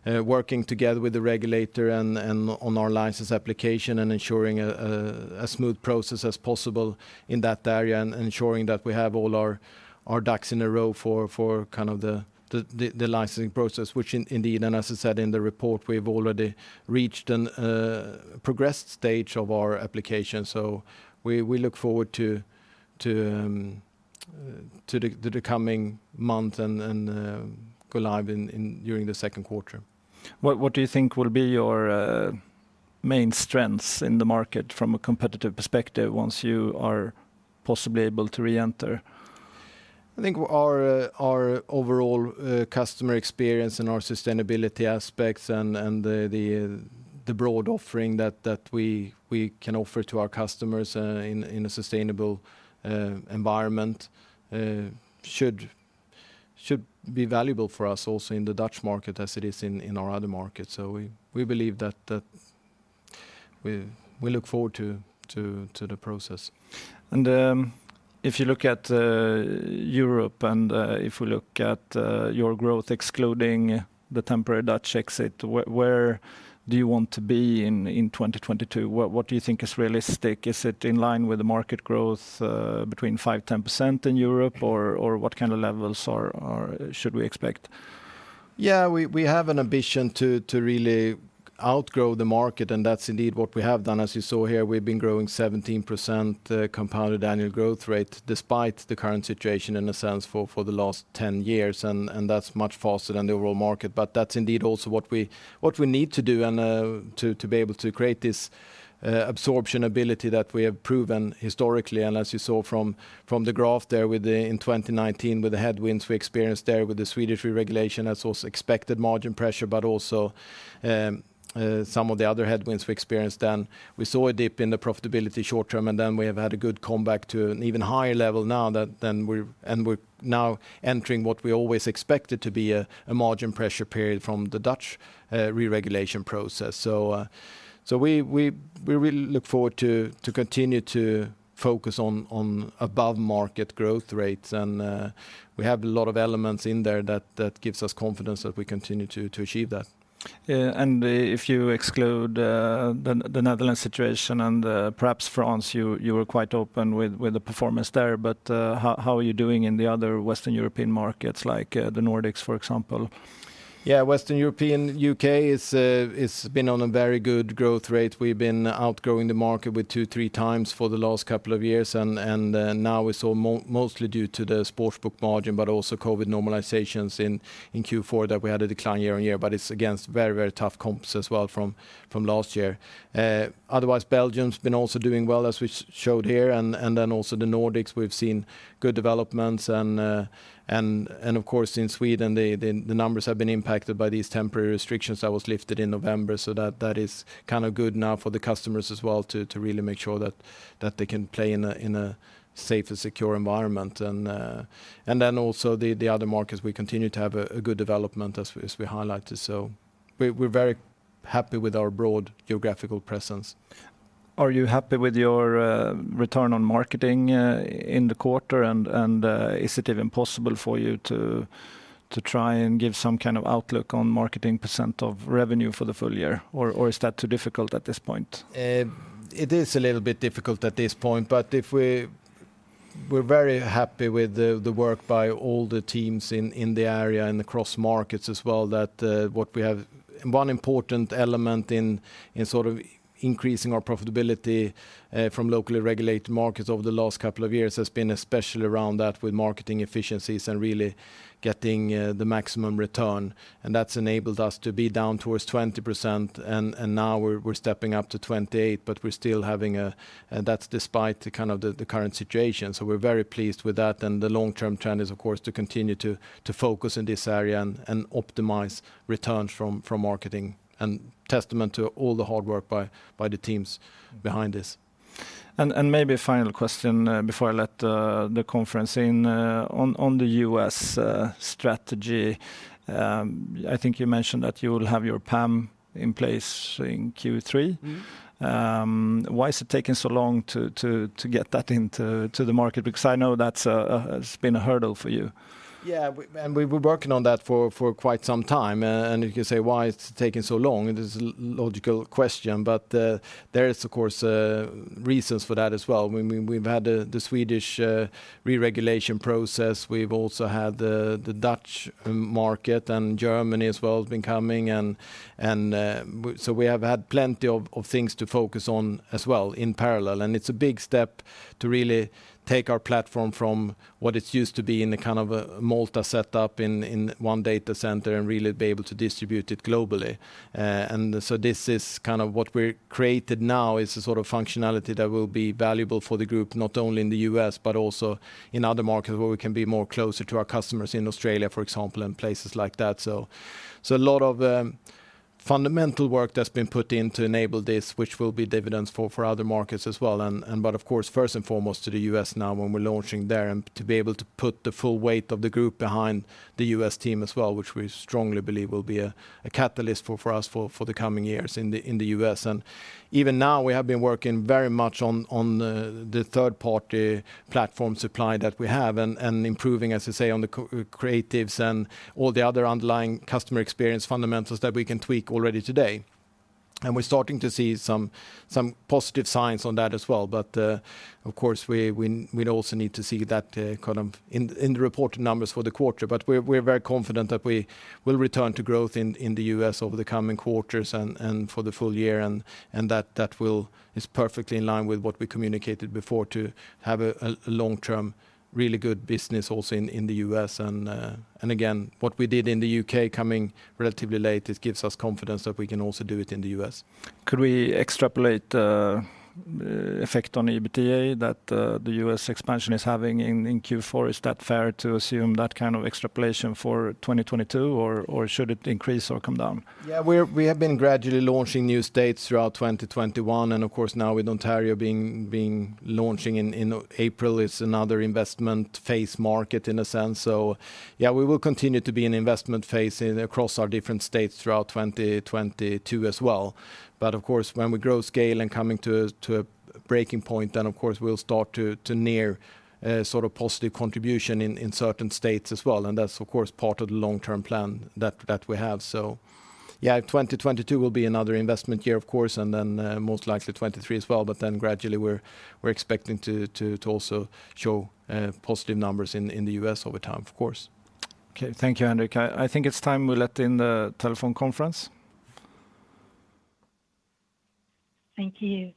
Speaker 2: working together with the regulator and on our license application and ensuring a smooth process as possible in that area and ensuring that we have all our ducks in a row for kind of the licensing process, which indeed, and as I said in the report, we've already reached a progressed stage of our application. We look forward to the coming month and go live during the second quarter.
Speaker 1: What do you think will be your main strengths in the market from a competitive perspective once you are possibly able to reenter?
Speaker 2: I think our overall customer experience and our sustainability aspects and the broad offering that we can offer to our customers in a sustainable environment should be valuable for us also in the Dutch market as it is in our other markets. We believe that. We look forward to the process.
Speaker 1: If you look at Europe and if we look at your growth excluding the temporary Dutch exit, where do you want to be in 2022? What do you think is realistic? Is it in line with the market growth between 5%-10% in Europe? Or what kind of levels should we expect?
Speaker 2: Yeah, we have an ambition to really outgrow the market, and that's indeed what we have done. As you saw here, we've been growing 17% compounded annual growth rate despite the current situation in a sense for the last 10 years, and that's much faster than the overall market. That's indeed also what we need to do to be able to create this absorption ability that we have proven historically. As you saw from the graph there in 2019 with the headwinds we experienced there with the Swedish reregulation as also expected margin pressure, but also some of the other headwinds we experienced then. We saw a dip in the profitability short term, and then we have had a good comeback to an even higher level now than we're, and we're now entering what we always expected to be a margin pressure period from the Dutch reregulation process. So we really look forward to continue to focus on above market growth rates. We have a lot of elements in there that gives us confidence that we continue to achieve that.
Speaker 1: Yeah, if you exclude the Netherlands situation Are you happy with your return on marketing in the quarter? Is it even possible for you to try and give some kind of outlook on marketing % of revenue for the full year? Is that too difficult at this point?
Speaker 2: It is a little bit difficult at this point. We're very happy with the work by all the teams in the area and across markets as well that what we have. One important element in sort of increasing our profitability from locally regulated markets over the last couple of years has been especially around that with marketing efficiencies and really getting the maximum return. That's enabled us to be down towards 20% and now we're stepping up to 28%, but we're still having, and that's despite the kind of the current situation. We're very pleased with that. The long-term trend is, of course, to continue to focus in this area and optimize returns from marketing, is a testament to all the hard work by the teams behind this.
Speaker 1: Maybe a final question before I let the conference in. On the U.S. strategy, I think you mentioned that you will have your PAM in place in Q3.
Speaker 2: Mm-hmm.
Speaker 1: Why is it taking so long to get that into the market? Because I know that's, it's been a hurdle for you.
Speaker 2: Yeah. We've been working on that for quite some time. If you say why it's taking so long, it is a logical question. There is of course reasons for that as well. I mean, we've had the Swedish re-regulation process. We've also had the Dutch market, and Germany as well has been coming, and so we have had plenty of things to focus on as well in parallel. It's a big step to really take our platform from what it's used to be in the kind of a Malta set up in one data center and really be able to distribute it globally. This is kind of what we're creating now is the sort of functionality that will be valuable for the group, not only in the U.S., but also in other markets where we can be closer to our customers in Australia, for example, and places like that. A lot of fundamental work that's been put in to enable this, which will pay dividends for other markets as well. But of course, first and foremost to the U.S. now when we're launching there, and to be able to put the full weight of the group behind the U.S. team as well, which we strongly believe will be a catalyst for us for the coming years in the U.S. Even now, we have been working very much on the third party platform supply that we have and improving, as I say, on the co-creatives and all the other underlying customer experience fundamentals that we can tweak already today. We're starting to see some positive signs on that as well. Of course, we'd also need to see that kind of in the reported numbers for the quarter. We're very confident that we will return to growth in the U.S. over the coming quarters and for the full year. That is perfectly in line with what we communicated before to have a long-term really good business also in the U.S. Again, what we did in the U.K. coming relatively late, it gives us confidence that we can also do it in the U.S.
Speaker 1: Could we extrapolate effect on the EBITDA that the U.S. expansion is having in Q4? Is that fair to assume that kind of extrapolation for 2022, or should it increase or come down?
Speaker 2: Yeah, we have been gradually launching new states throughout 2021. Of course now with Ontario being launching in April, it's another investment phase market in a sense. Yeah, we will continue to be an investment phase across our different states throughout 2022 as well. Of course, when we grow scale and coming to a breaking point, then of course we'll start to near a sort of positive contribution in certain states as well. Of course, that's part of the long-term plan that we have. Yeah, 2022 will be another investment year of course, and then most likely 2023 as well. Then gradually we're expecting to also show positive numbers in the U.S. over time of course.
Speaker 1: Okay. Thank you, Henrik. I think it's time we let in the telephone conference.
Speaker 3: Thank you.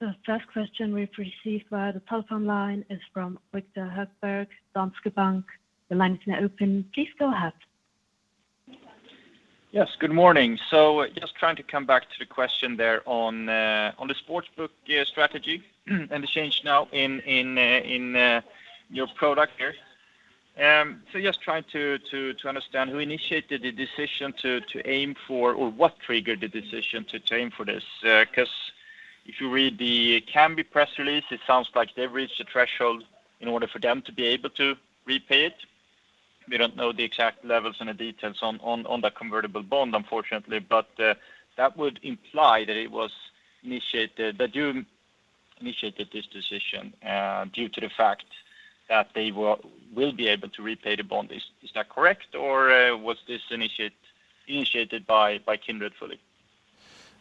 Speaker 3: The first question we've received via the telephone line is from Viktor Högberg, Danske Bank. The line is now open. Please go ahead.
Speaker 4: Yes, good morning. Just trying to come back to the question there on the sportsbook strategy and the change now in your product here. Just trying to understand who initiated the decision to aim for or what triggered the decision to aim for this? Because if you read the Kambi press release, it sounds like they've reached a threshold in order for them to be able to repay it. We don't know the exact levels and the details on the convertible bond, unfortunately. That would imply that it was initiated that you initiated this decision due to the fact that they will be able to repay the bond. Is that correct, or was this initiated by Kindred fully?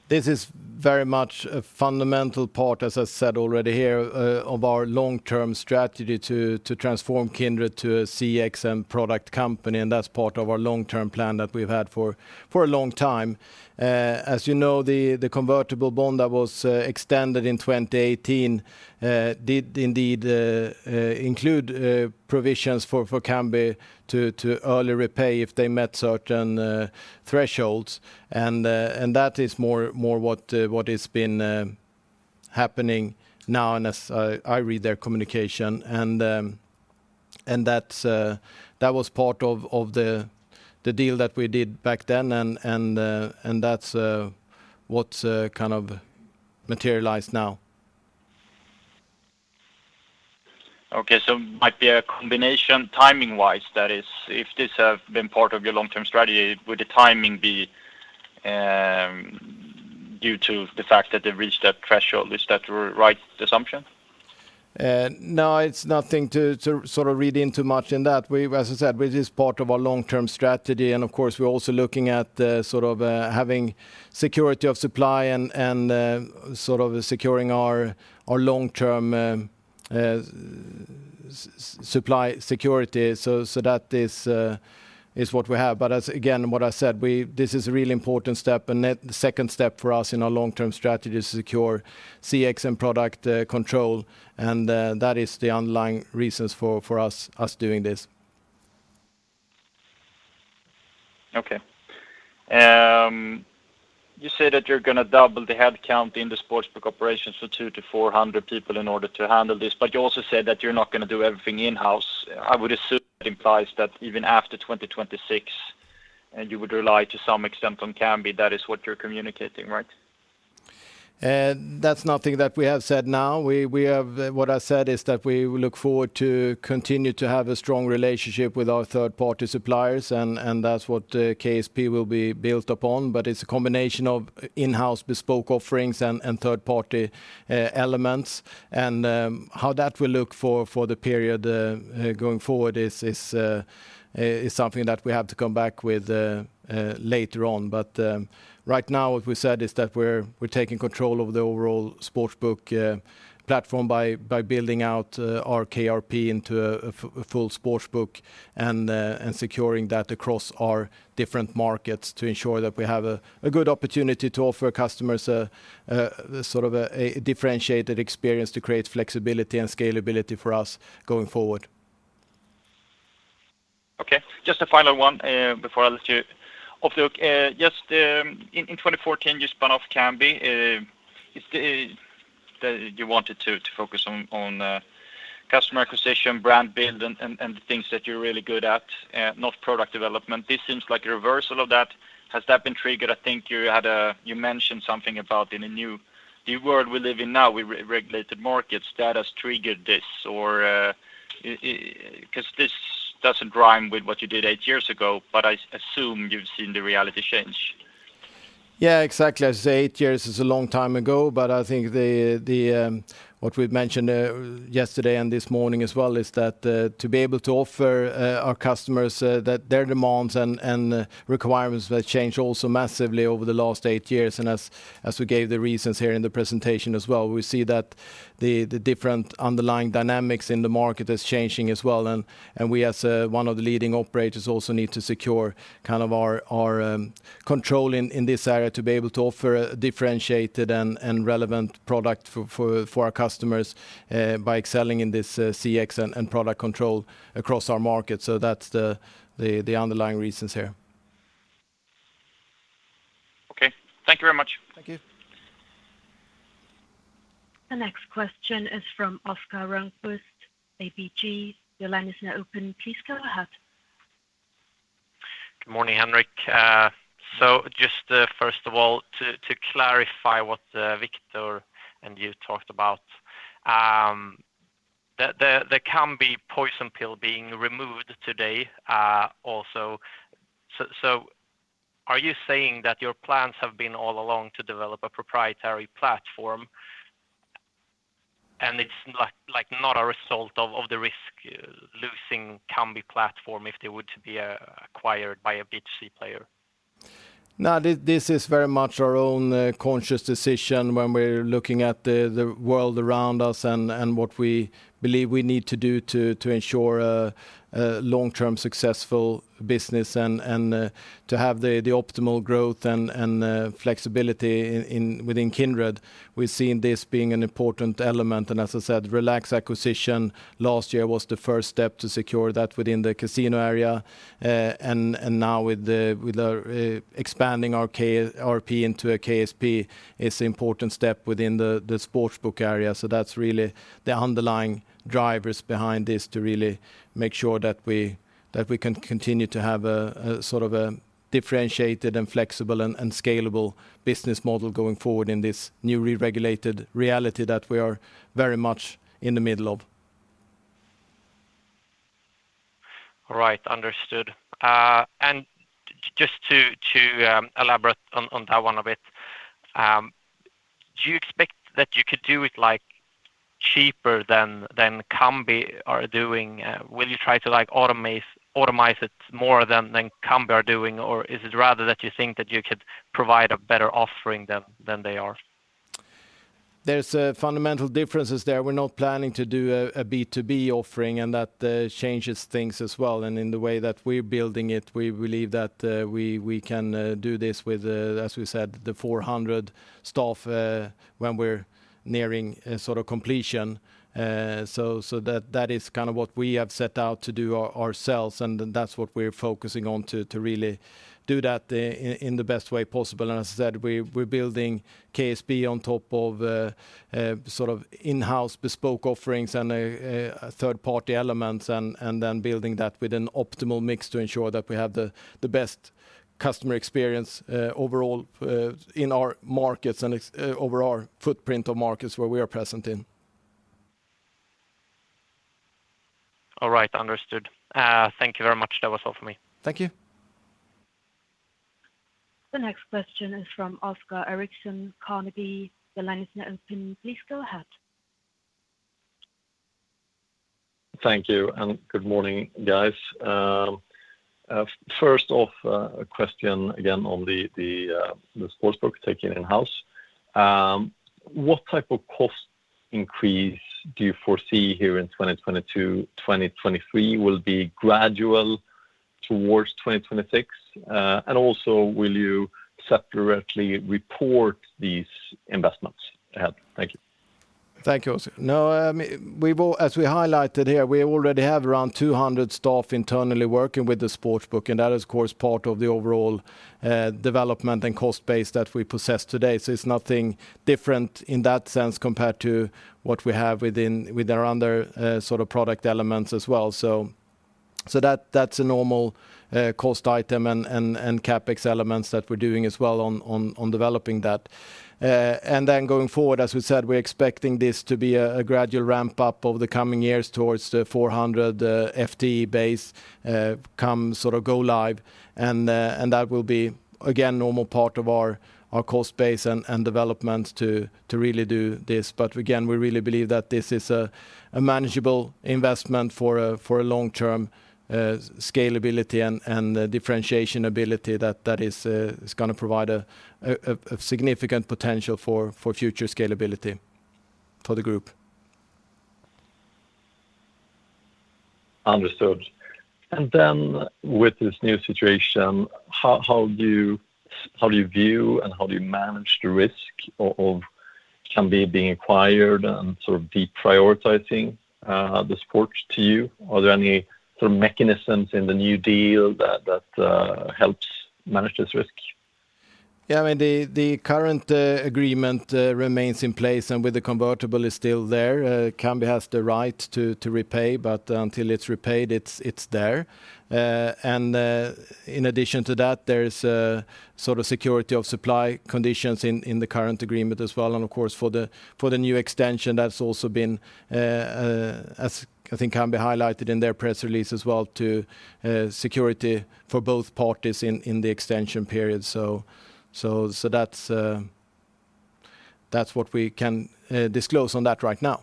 Speaker 2: This is very much a fundamental part, as I said already here, of our long-term strategy to transform Kindred to a CX and product company, and that's part of our long-term plan that we've had for a long time. As you know, the convertible bond that was extended in 2018 did indeed include provisions for Kambi to early repay if they met certain thresholds. That is more what has been happening now and as I read their communication. That was part of the deal that we did back then and that's what kind of materialized now.
Speaker 4: Okay. Might be a combination timing-wise. That is, if this have been part of your long-term strategy, would the timing be, due to the fact that they've reached that threshold? Is that the right assumption?
Speaker 2: No, it's nothing to sort of read into much in that. As I said, it is part of our long-term strategy, and of course we're also looking at sort of having security of supply and securing our long-term supply security. That is what we have. As I said, this is a really important step. The second step for us in our long-term strategy is to secure CX and product control, and that is the underlying reasons for us doing this.
Speaker 4: Okay. You say that you're gonna double the head count in the sports book operations for 200-400 people in order to handle this, but you also said that you're not gonna do everything in-house. I would assume it implies that even after 2026 and you would rely to some extent on Kambi, that is what you're communicating, right?
Speaker 2: That's nothing that we have said now. What I said is that we look forward to continue to have a strong relationship with our third-party suppliers, and that's what KSP will be built upon. It's a combination of in-house bespoke offerings and third-party elements. How that will look for the period going forward is something that we have to come back with later on. Right now what we said is that we're taking control of the overall sportsbook platform by building out our KRP into a full sportsbook and securing that across our different markets to ensure that we have a good opportunity to offer customers a sort of a differentiated experience to create flexibility and scalability for us going forward.
Speaker 4: Okay. Just a final one before I let you off the hook. Just in 2014, you spun off Kambi. You said that you wanted to focus on customer acquisition, brand build, and the things that you're really good at, not product development. This seems like a reversal of that. Has that been triggered? I think you mentioned something about the world we live in now with re-regulated markets that has triggered this or. Because this
Speaker 2: last eight years. As we gave the reasons here in the presentation as well, we see that the different underlying dynamics in the market is changing as well. We, as one of the leading operators, also need to secure kind of our control in this area to be able to offer a differentiated and relevant product for our customers by excelling in this CX and product control across our market. So that's the underlying reasons here.
Speaker 4: Okay. Thank you very much.
Speaker 2: Thank you.
Speaker 5: The next question is from Oscar Rönnkvist, ABG. Your line is now open. Please go ahead.
Speaker 6: Good morning, Henrik. Just first of all, to clarify what Viktor and you talked about, the Kambi poison pill being removed today, also. Are you saying that your plans have been all along to develop a proprietary platform and it's like not a result of the risk losing Kambi platform if they were to be acquired by a B2C player?
Speaker 2: No, this is very much our own conscious decision when we're looking at the world around us and what we believe we need to do to ensure a long-term successful business and to have the optimal growth and flexibility within Kindred. We're seeing this being an important element. As I said, Relax acquisition last year was the first step to secure that within the casino area. Now with the expanding our KRP into a KSP is important step within the sportsbook area. That's really the underlying drivers behind this to really make sure that we can continue to have a sort of a differentiated and flexible and scalable business model going forward in this new reregulated reality that we are very much in the middle of.
Speaker 6: All right. Understood. Just to elaborate on that one a bit, do you expect that you could do it, like, cheaper than Kambi are doing? Will you try to, like, automate it more than Kambi are doing? Or is it rather that you think that you could provide a better offering than they are?
Speaker 2: There's fundamental differences there. We're not planning to do a B2B offering, and that changes things as well. In the way that we're building it, we believe that we can do this with, as we said, 400 staff when we're nearing sort of completion. So that is kind of what we have set out to do ourselves, and then that's what we're focusing on to really do that in the best way possible. As I said, we're building KSP on top of sort of in-house bespoke offerings and third-party elements and then building that with an optimal mix to ensure that we have the best customer experience overall in our markets and overall footprint of markets where we are present in.
Speaker 6: All right. Understood. Thank you very much. That was all for me.
Speaker 2: Thank you.
Speaker 5: The next question is from Oscar Erixon, Carnegie. The line is now open. Please go ahead.
Speaker 7: Thank you, and good morning, guys. First off, a question again on the sportsbook you're taking in-house. What type of cost increase do you foresee here in 2022, 2023 will be gradual towards 2026? Will you separately report these investments ahead? Thank you.
Speaker 2: Thank you, Oscar. No, I mean, as we highlighted here, we already have around 200 staff internally working with the sportsbook, and that is of course part of the overall development and cost base that we possess today. It's nothing different in that sense compared to what we have with our other sort of product elements as well. That's a normal cost item and CapEx elements that we're doing as well on developing that. Then going forward, as we said, we're expecting this to be a gradual ramp-up over the coming years towards the 400 FTE base come sort of go live. That will be again normal part of our cost base and development to really do this. We really believe that this is a manageable investment for a long-term scalability and differentiation ability that is gonna provide a significant potential for future scalability for the group.
Speaker 7: Understood. Then with this new situation, how do you view and how do you manage the risk of Kambi being acquired and sort of deprioritizing the support to you? Are there any sort of mechanisms in the new deal that helps manage this risk?
Speaker 2: Yeah. I mean, the current agreement remains in place, and with the convertible is still there. Kambi has the right to repay, but until it's repaid, it's there. In addition to that, there's a sort of security of supply conditions in the current agreement as well. Of course, for the new extension that's also been as I think Kambi highlighted in their press release as well to security for both parties in the extension period. That's what we can disclose on that right now.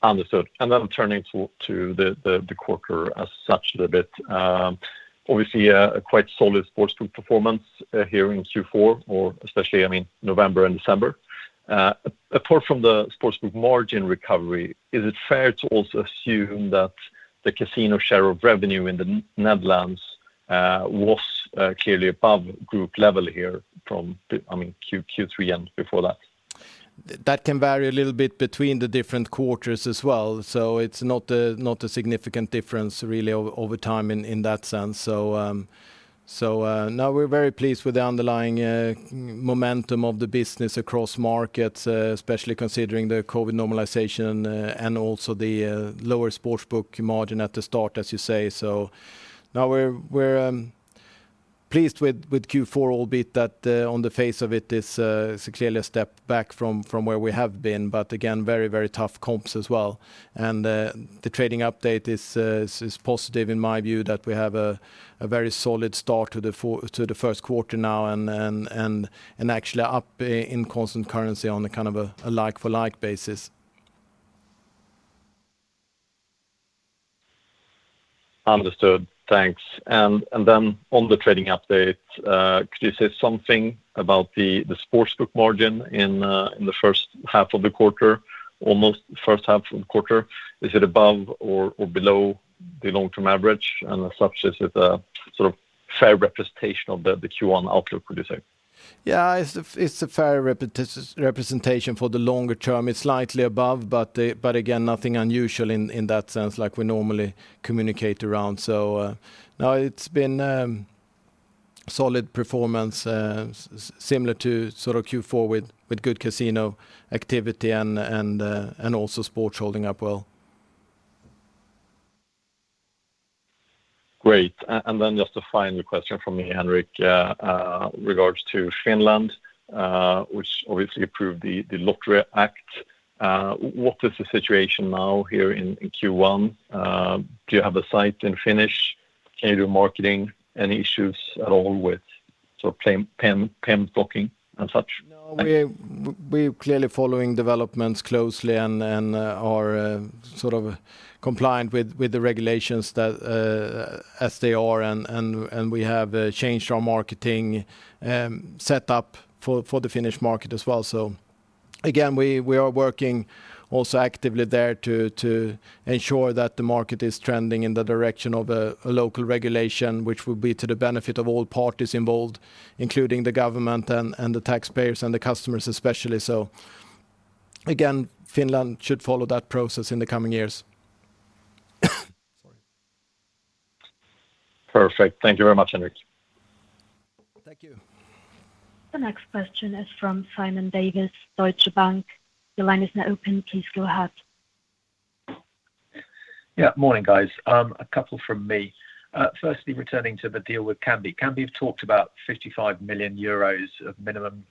Speaker 7: Understood. Then turning to the quarter as such a little bit. Obviously a quite solid sportsbook performance here in Q4 or especially, I mean, November and December. Apart from the sportsbook margin recovery, is it fair to also assume that the casino share of revenue in the Netherlands was clearly above group level here from, I mean, Q3 and before that?
Speaker 2: That can vary a little bit between the different quarters as well. It's not a significant difference really over time in that sense. No, we're very pleased with the underlying momentum of the business across markets, especially considering the COVID normalization and also the lower sportsbook margin at the start, as you say. No, we're pleased with Q4, albeit that on the face of it is clearly a step back from where we have been. Again, very tough comps as well. The trading update is positive in my view that we have a very solid start to the first quarter now and actually up in constant currency on a kind of a like for like basis.
Speaker 7: Understood. Thanks. On the trading update, could you say something about the sports book margin in the first half of the quarter, almost first half of the quarter? Is it above or below the long-term average and as such, is it a sort of fair representation of the Q1 outlook would you say?
Speaker 2: Yeah. It's a fair representation for the longer term. It's slightly above, but again, nothing unusual in that sense like we normally communicate around. No, it's been solid performance, similar to sort of Q4 with good casino activity and also sports holding up well.
Speaker 7: Great. Just a final question from me, Henrik. Regards to Finland, which obviously approved the Lottery Act. What is the situation now here in Q1? Do you have a site in Finnish? Can you do marketing? Any issues at all with sort of campaign blocking and such?
Speaker 2: No. We're clearly following developments closely and are sort of compliant with the regulations that as they are, and we have changed our marketing set up for the Finnish market as well. Again, we are working also actively there to ensure that the market is trending in the direction of a local regulation, which will be to the benefit of all parties involved, including the government and the taxpayers and the customers especially. Again, Finland should follow that process in the coming years. Sorry.
Speaker 7: Perfect. Thank you very much, Henrik.
Speaker 2: Thank you.
Speaker 5: The next question is from Simon Davies, Deutsche Bank. Your line is now open. Please go ahead.
Speaker 8: Yeah. Morning, guys. A couple from me. Firstly, returning to the deal with Kambi. Kambi have talked about 55 million euros of minimum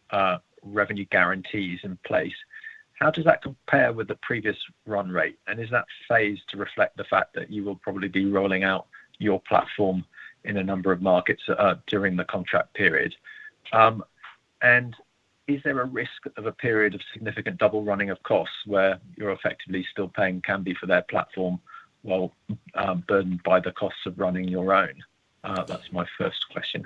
Speaker 8: revenue guarantees in place. How does that compare with the previous run rate? Is that phased to reflect the fact that you will probably be rolling out your platform in a number of markets during the contract period? Is there a risk of a period of significant double running of costs where you're effectively still paying Kambi for their platform while burdened by the costs of running your own? That's my first question.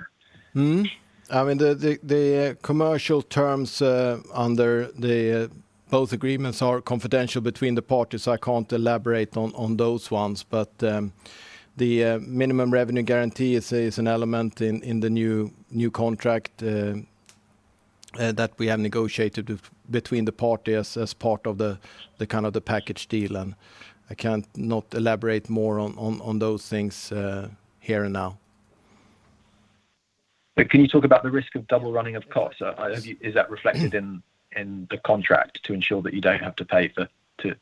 Speaker 2: I mean, the commercial terms under both agreements are confidential between the parties. I can't elaborate on those ones. The minimum revenue guarantee is an element in the new contract that we have negotiated between the parties as part of the kind of package deal. I can't not elaborate more on those things here and now.
Speaker 8: Can you talk about the risk of double running of costs? Is that reflected in the contract to ensure that you don't have to pay for two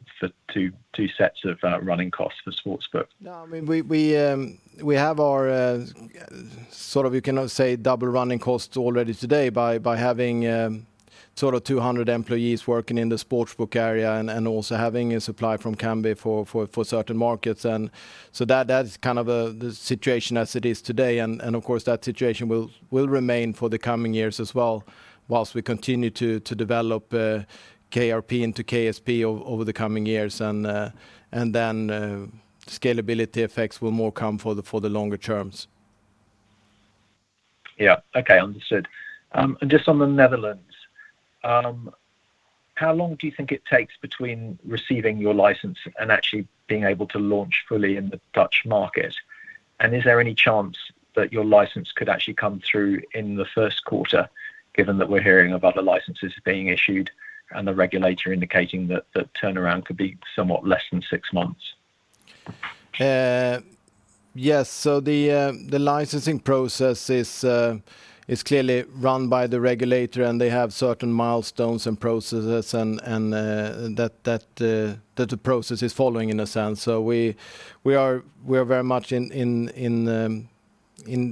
Speaker 8: sets of running costs for sportsbook?
Speaker 2: No. I mean, we have our sort of, you can now say double running costs already today by having sort of 200 employees working in the sportsbook area and also having a supply from Kambi for certain markets. Of course, that situation will remain for the coming years as well while we continue to develop KRP into KSP over the coming years. Then scalability effects will more come for the longer terms.
Speaker 8: Yeah. Okay. Understood. Just on the Netherlands, how long do you think it takes between receiving your license and actually being able to launch fully in the Dutch market? Is there any chance that your license could actually come through in the first quarter, given that we're hearing of other licenses being issued and the regulator indicating that the turnaround could be somewhat less than six months?
Speaker 2: Yes. The licensing process is clearly run by the regulator, and they have certain milestones and processes and that the process is following in a sense. We are very much in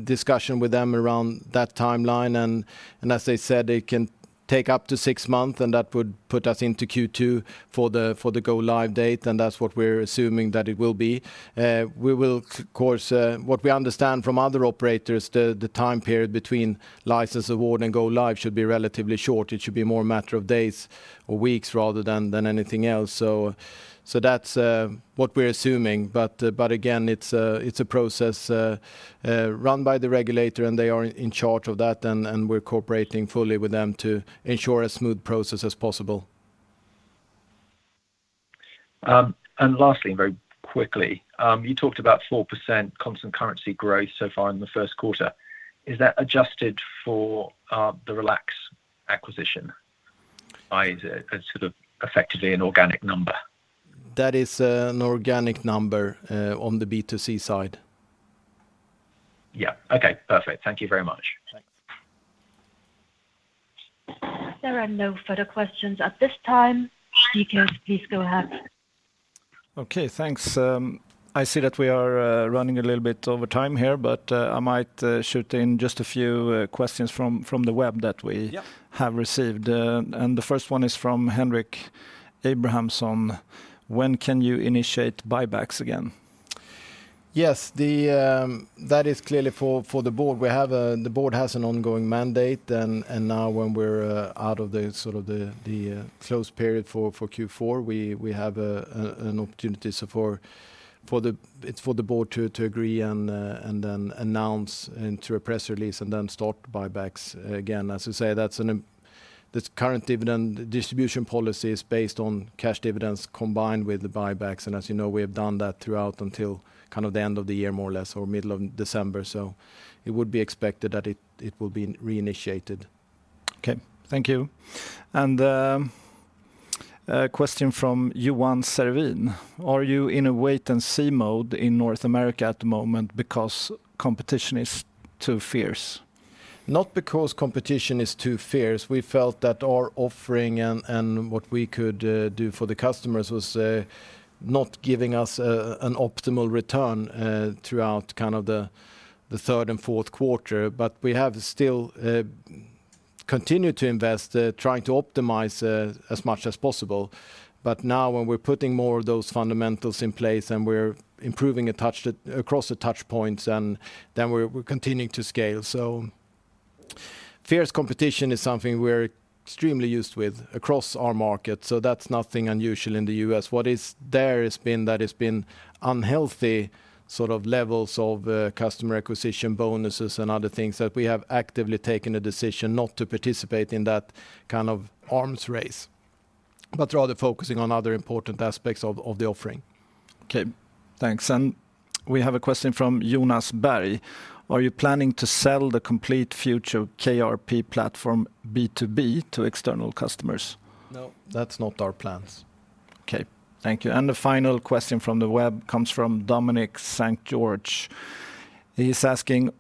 Speaker 2: discussion with them around that timeline. As they said, it can take up to 6 months, and that would put us into Q2 for the go live date, and that's what we're assuming that it will be. What we understand from other operators, the time period between license award and go live should be relatively short. It should be more a matter of days or weeks rather than anything else. That's what we're assuming. Again, it's a process run by the regulator, and they are in charge of that, and we're cooperating fully with them to ensure a smooth process as possible.
Speaker 8: Lastly, very quickly, you talked about 4% constant currency growth so far in the first quarter. Is that adjusted for the Relax acquisition, i.e., sort of effectively an organic number?
Speaker 2: That is, an organic number, on the B2C side.
Speaker 8: Yeah. Okay, perfect. Thank you very much.
Speaker 2: Thanks.
Speaker 5: There are no further questions at this time. Speakers, please go ahead.
Speaker 1: Okay, thanks. I see that we are running a little bit over time here, but I might shoot in just a few questions from the web that we-
Speaker 2: Yeah
Speaker 1: We have received. The first one is from Henric Abrahamson. When can you initiate buybacks again?
Speaker 2: Yes. That is clearly for the board. The board has an ongoing mandate and now when we're out of the close period for Q4, we have an opportunity. It's for the board to agree and then announce in a press release and then start buybacks again. As you say, this current dividend distribution policy is based on cash dividends combined with the buybacks. As you know, we have done that throughout until kind of the end of the year, more or less, or middle of December. It would be expected that it will be reinitiated.
Speaker 1: Okay, thank you. A question from Johan Cervenka, are you in a wait-and-see mode in North America at the moment because competition is too fierce?
Speaker 2: Not because competition is too fierce. We felt that our offering and what we could do for the customers was not giving us an optimal return throughout kind of the third and fourth quarter. We have still continued to invest trying to optimize as much as possible. Now when we're putting more of those fundamentals in place and we're improving a touch across the touch points, and then we're continuing to scale. Fierce competition is something we're extremely used to across our market, so that's nothing unusual in the U.S. What has been is that it's been unhealthy sort of levels of customer acquisition bonuses and other things that we have actively taken a decision not to participate in that kind of arms race, but rather focusing on other important aspects of the offering.
Speaker 1: Okay, thanks. We have a question from Jonas Bergh. Are you planning to sell the complete future KRP platform B2B to external customers?
Speaker 2: No, that's not our plans.
Speaker 1: Okay, thank you. The final question from the web comes from Dominic St. George. He's asking,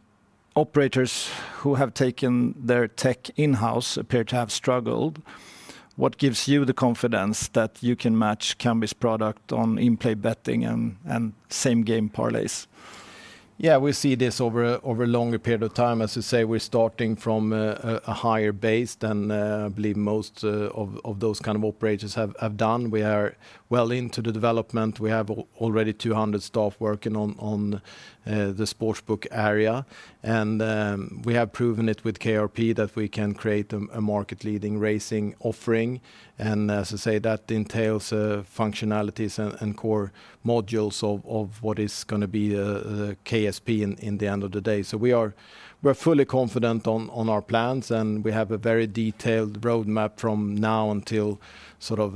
Speaker 1: operators who have taken their tech in-house appear to have struggled. What gives you the confidence that you can match Kambi's product on in-play betting and same-game parlays?
Speaker 2: Yeah, we see this over a longer period of time. As you say, we're starting from a higher base than I believe most of those kind of operators have done. We are well into the development. We have already 200 staff working on the sportsbook area, and we have proven it with KRP that we can create a market-leading racing offering. As I say, that entails functionalities and core modules of what is gonna be the KSP at the end of the day. We are fully confident on our plans, and we have a very detailed roadmap from now until sort of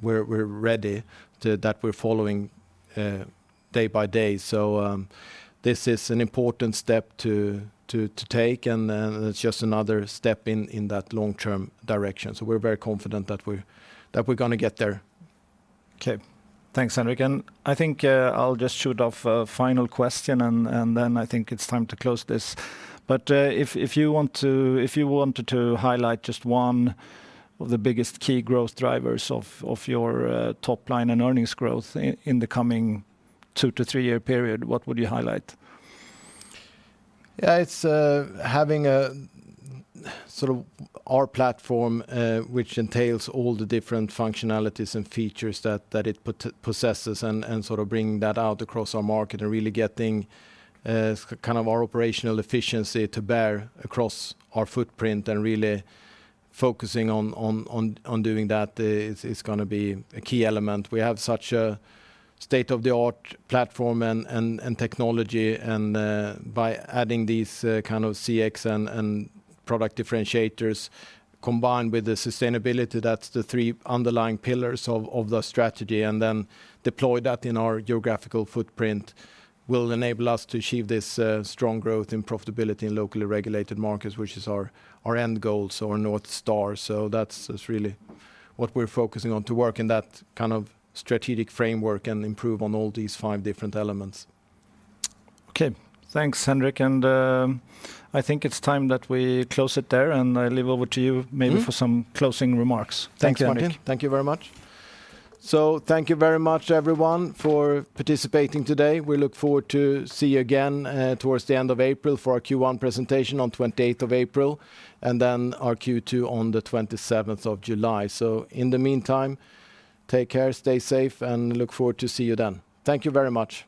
Speaker 2: we're ready, that we're following day by day. This is an important step to take, and it's just another step in that long-term direction. We're very confident that we're gonna get there.
Speaker 1: Okay. Thanks, Henrik. I think I'll just shoot off a final question, and then I think it's time to close this. If you wanted to highlight just one of the biggest key growth drivers of your top line and earnings growth in the coming 2-3-year period, what would you highlight?
Speaker 2: Yeah, it's having a sort of our platform, which entails all the different functionalities and features that it possesses and sort of bringing that out across our market and really getting kind of our operational efficiency to bear across our footprint and really focusing on doing that is gonna be a key element. We have such a state-of-the-art platform and technology, and by adding these kind of CX and product differentiators combined with the sustainability, that's the three underlying pillars of the strategy. Deploy that in our geographical footprint will enable us to achieve this strong growth and profitability in locally regulated markets, which is our end goal, so our North Star. That's, it's really what we're focusing on, to work in that kind of strategic framework and improve on all these five different elements.
Speaker 1: Okay. Thanks, Henrik. I think it's time that we close it there, and I hand over to you maybe for some closing remarks. Thanks, Henrik.
Speaker 2: Thank you. Thank you very much. Thank you very much, everyone, for participating today. We look forward to see you again, towards the end of April for our Q1 presentation on 28th of April, and then our Q2 on the 27th of July. In the meantime, take care, stay safe, and look forward to see you then. Thank you very much.